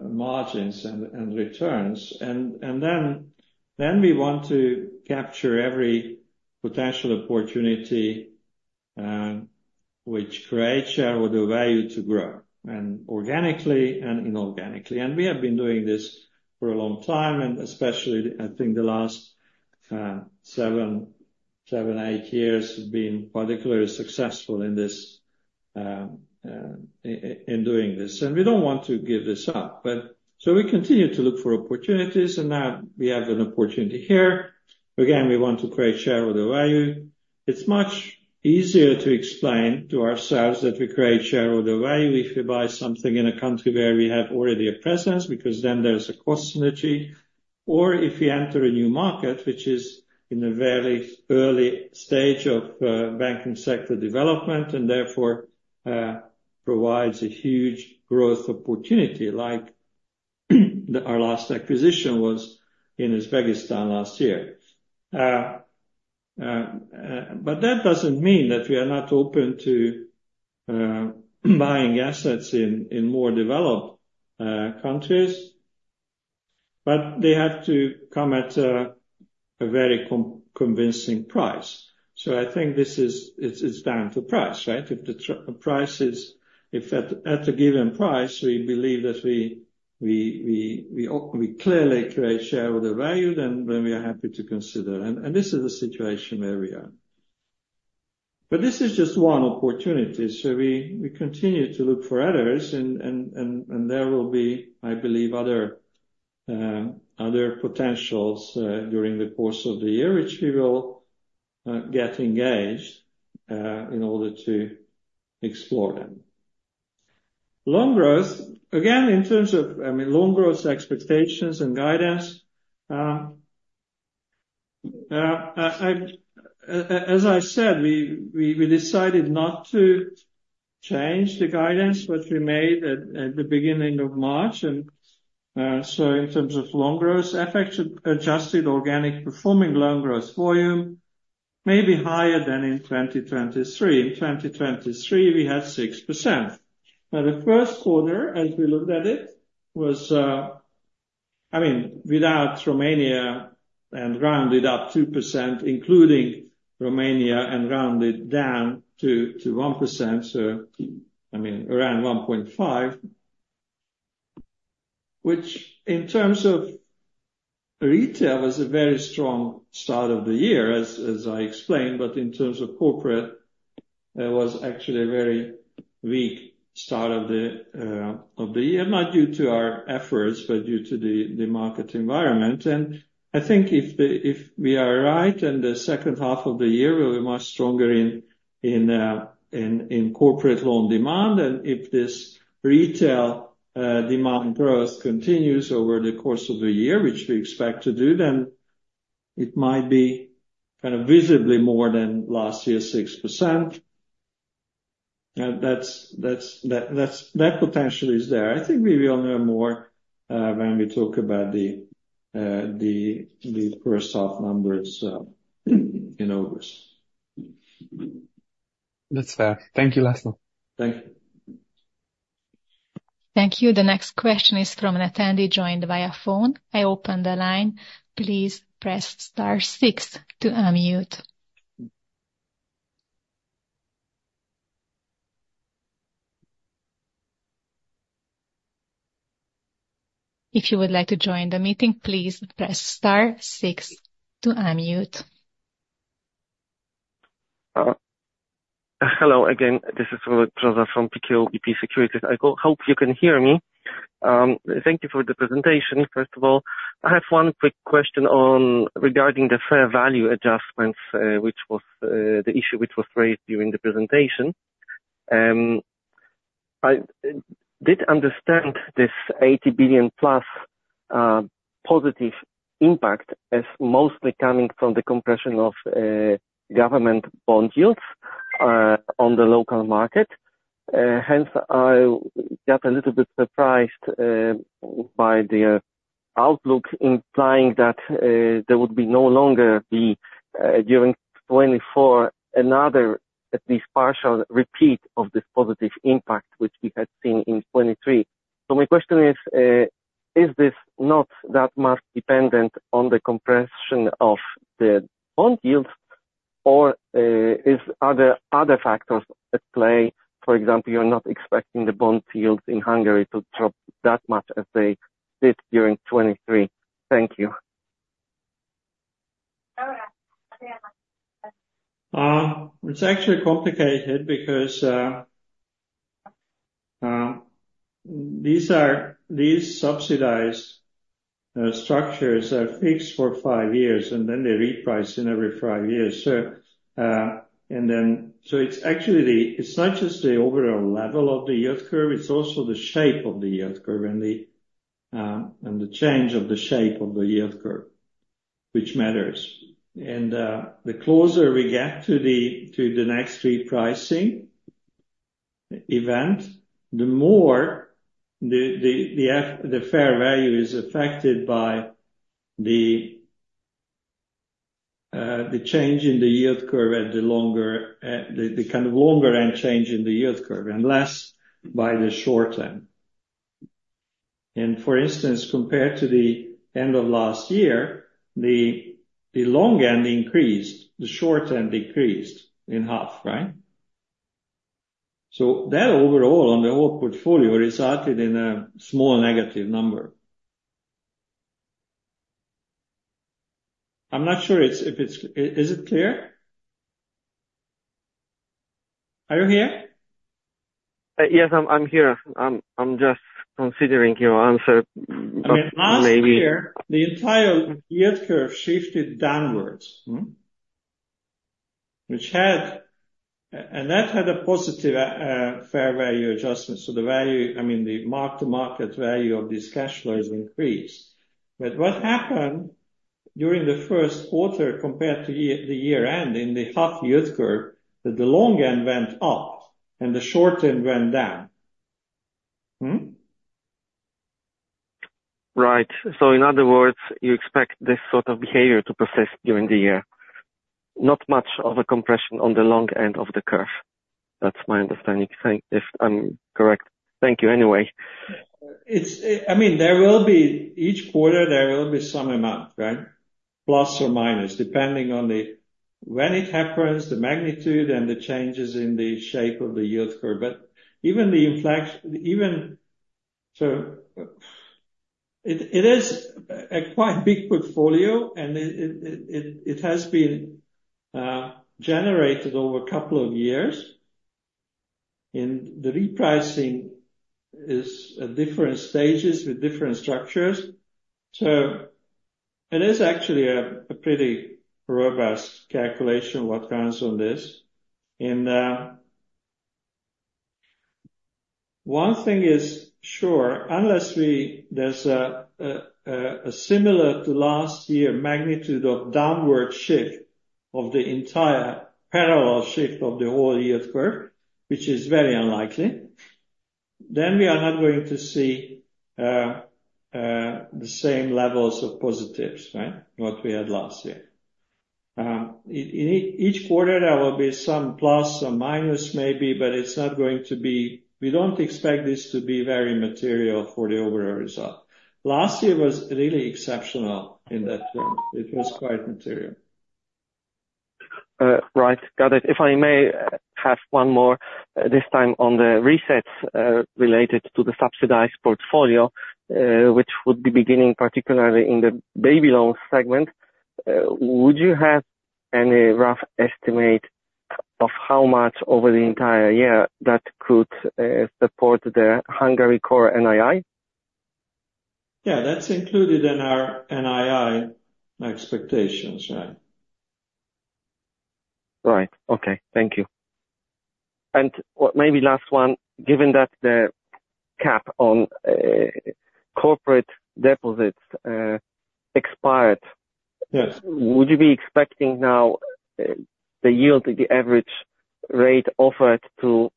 margins and returns. And then we want to capture every potential opportunity which creates shareholder value to grow, and organically and inorganically. And we have been doing this for a long time. Especially, I think the last 7, 8 years have been particularly successful in doing this. We don't want to give this up. So we continue to look for opportunities. Now we have an opportunity here. Again, we want to create shareholder value. It's much easier to explain to ourselves that we create shareholder value if we buy something in a country where we have already a presence because then there's a cost synergy. Or if we enter a new market, which is in a very early stage of banking sector development and therefore provides a huge growth opportunity, like our last acquisition was in Uzbekistan last year. But that doesn't mean that we are not open to buying assets in more developed countries. They have to come at a very convincing price. So I think it's down to price, right? If the price is at a given price, we believe that we clearly create shareholder value, then we are happy to consider. And this is the situation where we are. But this is just one opportunity. So we continue to look for others. And there will be, I believe, other potentials during the course of the year, which we will get engaged in order to explore them. Loan growth, again, in terms of I mean, loan growth expectations and guidance. As I said, we decided not to change the guidance, which we made at the beginning of March. And so in terms of loan growth, FX adjusted organic performing loan growth volume maybe higher than in 2023. In 2023, we had 6%. Now, the first quarter, as we looked at it, was, I mean, without Romania and rounded up 2%, including Romania and rounded down to 1%, so I mean, around 1.5%, which in terms of retail was a very strong start of the year, as I explained. But in terms of corporate, it was actually a very weak start of the year, not due to our efforts, but due to the market environment. And I think if we are right and the second half of the year will be much stronger in corporate loan demand. And if this retail demand growth continues over the course of the year, which we expect to do, then it might be kind of visibly more than last year's 6%. That potential is there. I think we will know more when we talk about the first soft numbers in August. That's fair. Thank you, László. Thank you. Thank you. The next question is from an attendee joined via phone. I open the line. Please press star 6 to unmute. If you would like to join the meeting, please press star 6 to unmute. Hello. Again, this is Robert Brzoza from PKO BP Securities. I hope you can hear me. Thank you for the presentation, first of all. I have one quick question regarding the fair value adjustments, which was the issue which was raised during the presentation. I did understand this 80 billion+ positive impact as mostly coming from the compression of government bond yields on the local market. Hence, I got a little bit surprised by the outlook implying that there would be no longer be during 2024 another, at least partial, repeat of this positive impact, which we had seen in 2023. So my question is, is this not that much dependent on the compression of the bond yields, or are there other factors at play? For example, you're not expecting the bond yields in Hungary to drop that much as they did during 2023. Thank you. It's actually complicated because these subsidized structures are fixed for five years, and then they reprice every five years. So it's actually it's not just the overall level of the yield curve. It's also the shape of the yield curve and the change of the shape of the yield curve, which matters. And the closer we get to the next repricing event, the more the fair value is affected by the change in the yield curve at the kind of longer-end change in the yield curve and less by the short-end. For instance, compared to the end of last year, the long-end increased, the short-end decreased in half, right? So that overall, on the whole portfolio, resulted in a small negative number. I'm not sure if it's clear? Are you here? Yes, I'm here. I'm just considering your answer. I mean, last year, the entire yield curve shifted downwards, which had and that had a positive fair value adjustment. So the value I mean, the mark-to-market value of this cash flow has increased. But what happened during the first quarter compared to the year-end in the half yield curve, that the long-end went up and the short-end went down? Right. So in other words, you expect this sort of behavior to persist during the year. Not much of a compression on the long end of the curve. That's my understanding, if I'm correct. Thank you, anyway. I mean, there will be each quarter, there will be some amount, right? Plus or minus, depending on when it happens, the magnitude and the changes in the shape of the yield curve. But even the inflection so it is a quite big portfolio, and it has been generated over a couple of years. And the repricing is at different stages with different structures. So it is actually a pretty robust calculation of what comes on this. And one thing is sure. Unless there's a similar to last year magnitude of downward shift of the entire parallel shift of the whole yield curve, which is very unlikely, then we are not going to see the same levels of positives, right, what we had last year. Each quarter, there will be some plus, some minus, maybe, but it's not going to be. We don't expect this to be very material for the overall result. Last year was really exceptional in that sense. It was quite material. Right. Got it. If I may have one more this time on the resets related to the subsidized portfolio, which would be beginning particularly in the baby loan segment, would you have any rough estimate of how much over the entire year that could support the Hungary core NII? Yeah. That's included in our NII expectations, right? Right. Okay. Thank you. And maybe last one. Given that the cap on corporate deposits expired, would you be expecting now the yield, the average rate offered to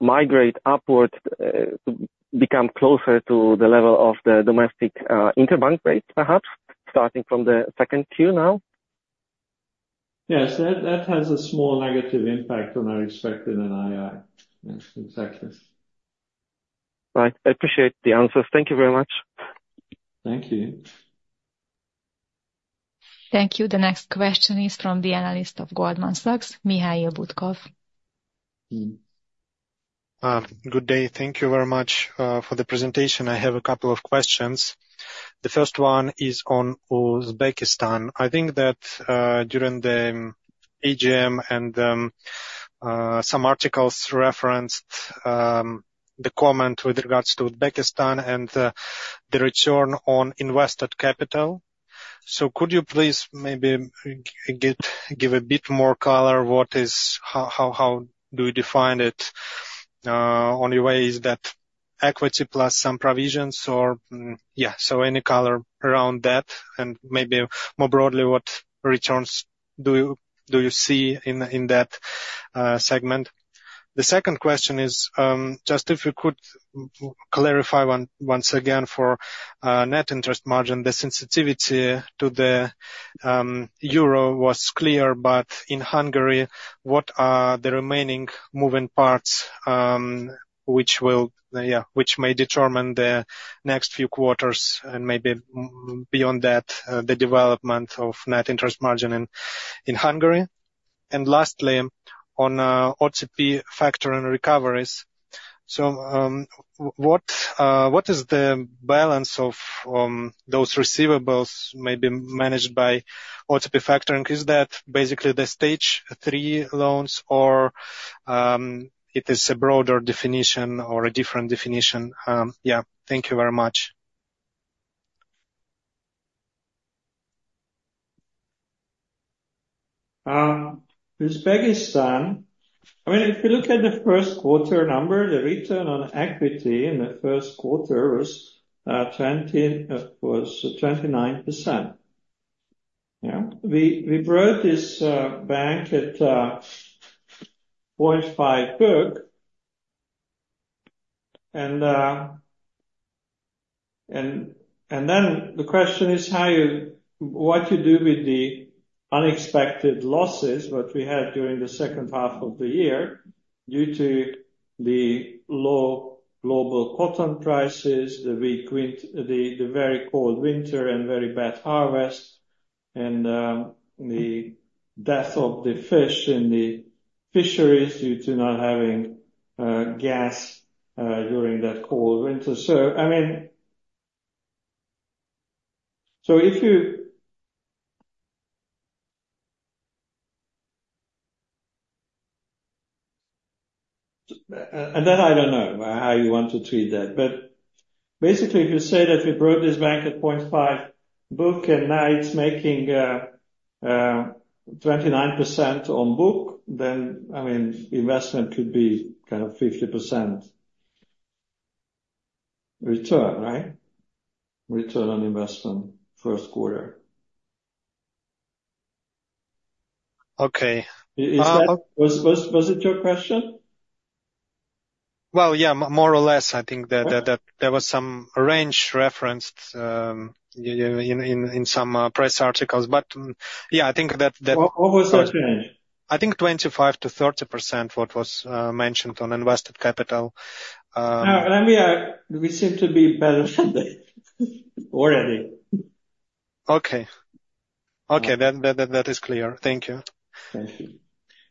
migrate upward to become closer to the level of the domestic interbank rates, perhaps, starting from the second Q now? Yes. That has a small negative impact on our expected NII. Yes, exactly. Right. I appreciate the answers. Thank you very much. Thank you. Thank you. The next question is from the analyst of Goldman Sachs, Mikhail Butkov. Good day. Thank you very much for the presentation. I have a couple of questions. The first one is on Uzbekistan. I think that during the AGM and some articles referenced the comment with regards to Uzbekistan and the return on invested capital. So could you please maybe give a bit more color? How do you define it? In your view, is that equity plus some provisions, or yeah, so any color around that? And maybe more broadly, what returns do you see in that segment? The second question is just if we could clarify once again for net interest margin. The sensitivity to the euro was clear. But in Hungary, what are the remaining moving parts which will, yeah, which may determine the next few quarters and maybe beyond that, the development of net interest margin in Hungary? And lastly, on OTP Factoring recoveries. So what is the balance of those receivables maybe managed by OTP Factoring? Is that basically the stage three loans, or it is a broader definition or a different definition? Yeah. Thank you very much. Uzbekistan. I mean, if you look at the first quarter number, the return on equity in the first quarter was 29%. Yeah? We brought this bank at 0.5 book. Then the question is what you do with the unexpected losses that we had during the second half of the year due to the low global cotton prices, the very cold winter and very bad harvest, and the death of the fish in the fisheries due to not having gas during that cold winter. So I mean, so if you and then I don't know how you want to treat that. But basically, if you say that we brought this bank at 0.5 BUK, and now it's making 29% on BUK, then I mean, investment could be kind of 50% return, right? Return on investment first quarter. Okay. Was it your question? Well, yeah, more or less. I think that there was some range referenced in some press articles. But yeah, I think that that was. What was that change? I think 25%-30%, what was mentioned on invested capital. No, and we seem to be better than that already. Okay. Okay. That is clear. Thank you. Thank you.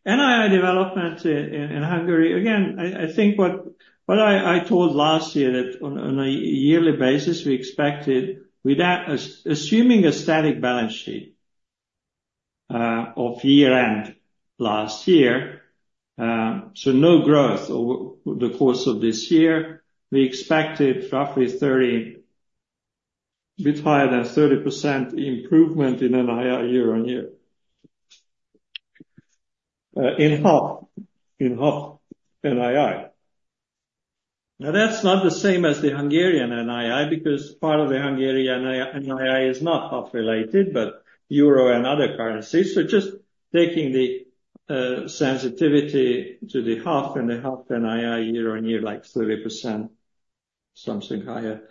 NII development in Hungary, again, I think what I told last year that on a yearly basis, we expected assuming a static balance sheet of year-end last year, so no growth over the course of this year, we expected roughly a bit higher than 30% improvement in NII year-on-year. In HUF. In HUF NII. Now, that's not the same as the Hungarian NII because part of the Hungarian NII is not HUF-related, but EUR and other currencies. So just taking the sensitivity to the HUF and the HUF NII year-on-year, like 30%, something higher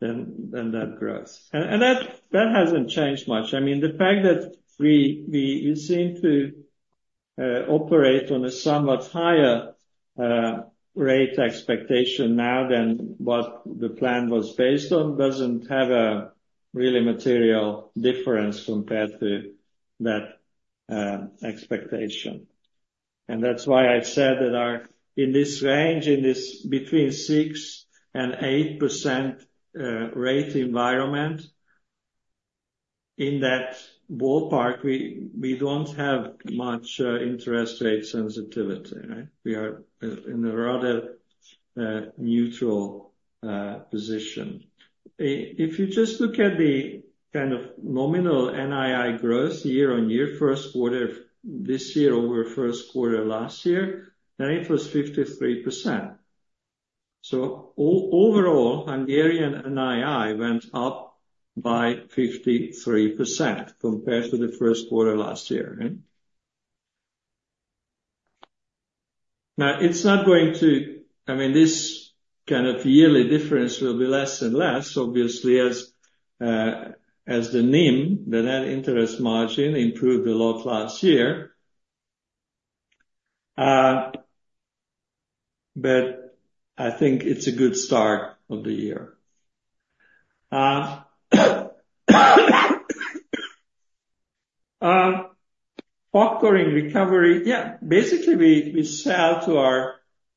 than that growth. And that hasn't changed much. I mean, the fact that we seem to operate on a somewhat higher rate expectation now than what the plan was based on doesn't have a really material difference compared to that expectation. And that's why I said that in this range, in this between 6%-8% rate environment, in that ballpark, we don't have much interest rate sensitivity, right? We are in a rather neutral position. If you just look at the kind of nominal NII growth year-on-year, first quarter this year over first quarter last year, then it was 53%. So overall, Hungarian NII went up by 53% compared to the first quarter last year, right? Now, it's not going to I mean, this kind of yearly difference will be less and less, obviously, as the NIM, the net interest margin, improved a lot last year. But I think it's a good start of the year. Factoring recovery yeah, basically, we sell to our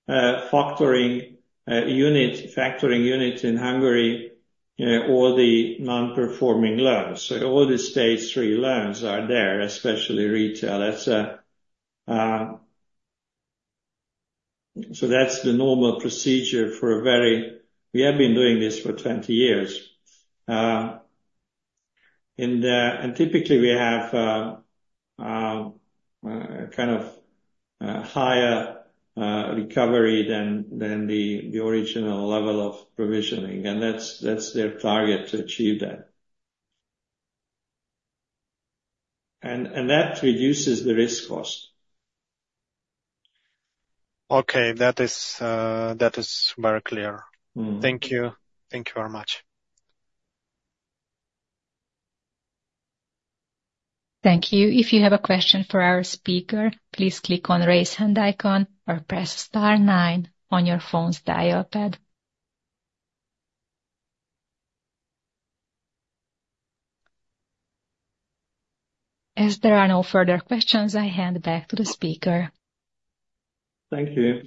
factoring unit in Hungary all the non-performing loans. So all the Stage 3 loans are there, especially retail. So that's the normal procedure for a very we have been doing this for 20 years. And typically, we have a kind of higher recovery than the original level of provisioning. And that's their target to achieve that. And that reduces the risk cost. Okay. That is very clear. Thank you. Thank you very much. Thank you. If you have a question for our speaker, please click on the raise hand icon or press star 9 on your phone's dial pad. As there are no further questions, I hand back to the speaker. Thank you.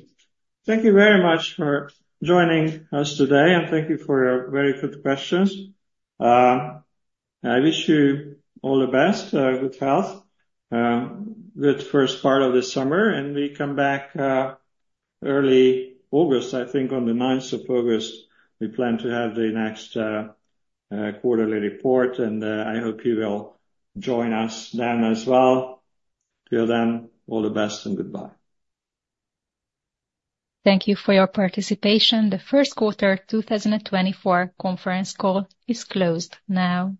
Thank you very much for joining us today. Thank you for your very good questions. I wish you all the best, good health, good first part of the summer. We come back early August, I think on the 9th of August, we plan to have the next quarterly report. I hope you will join us then as well. Till then, all the best and goodbye. Thank you for your participation. The first quarter, 2024, conference call is closed now.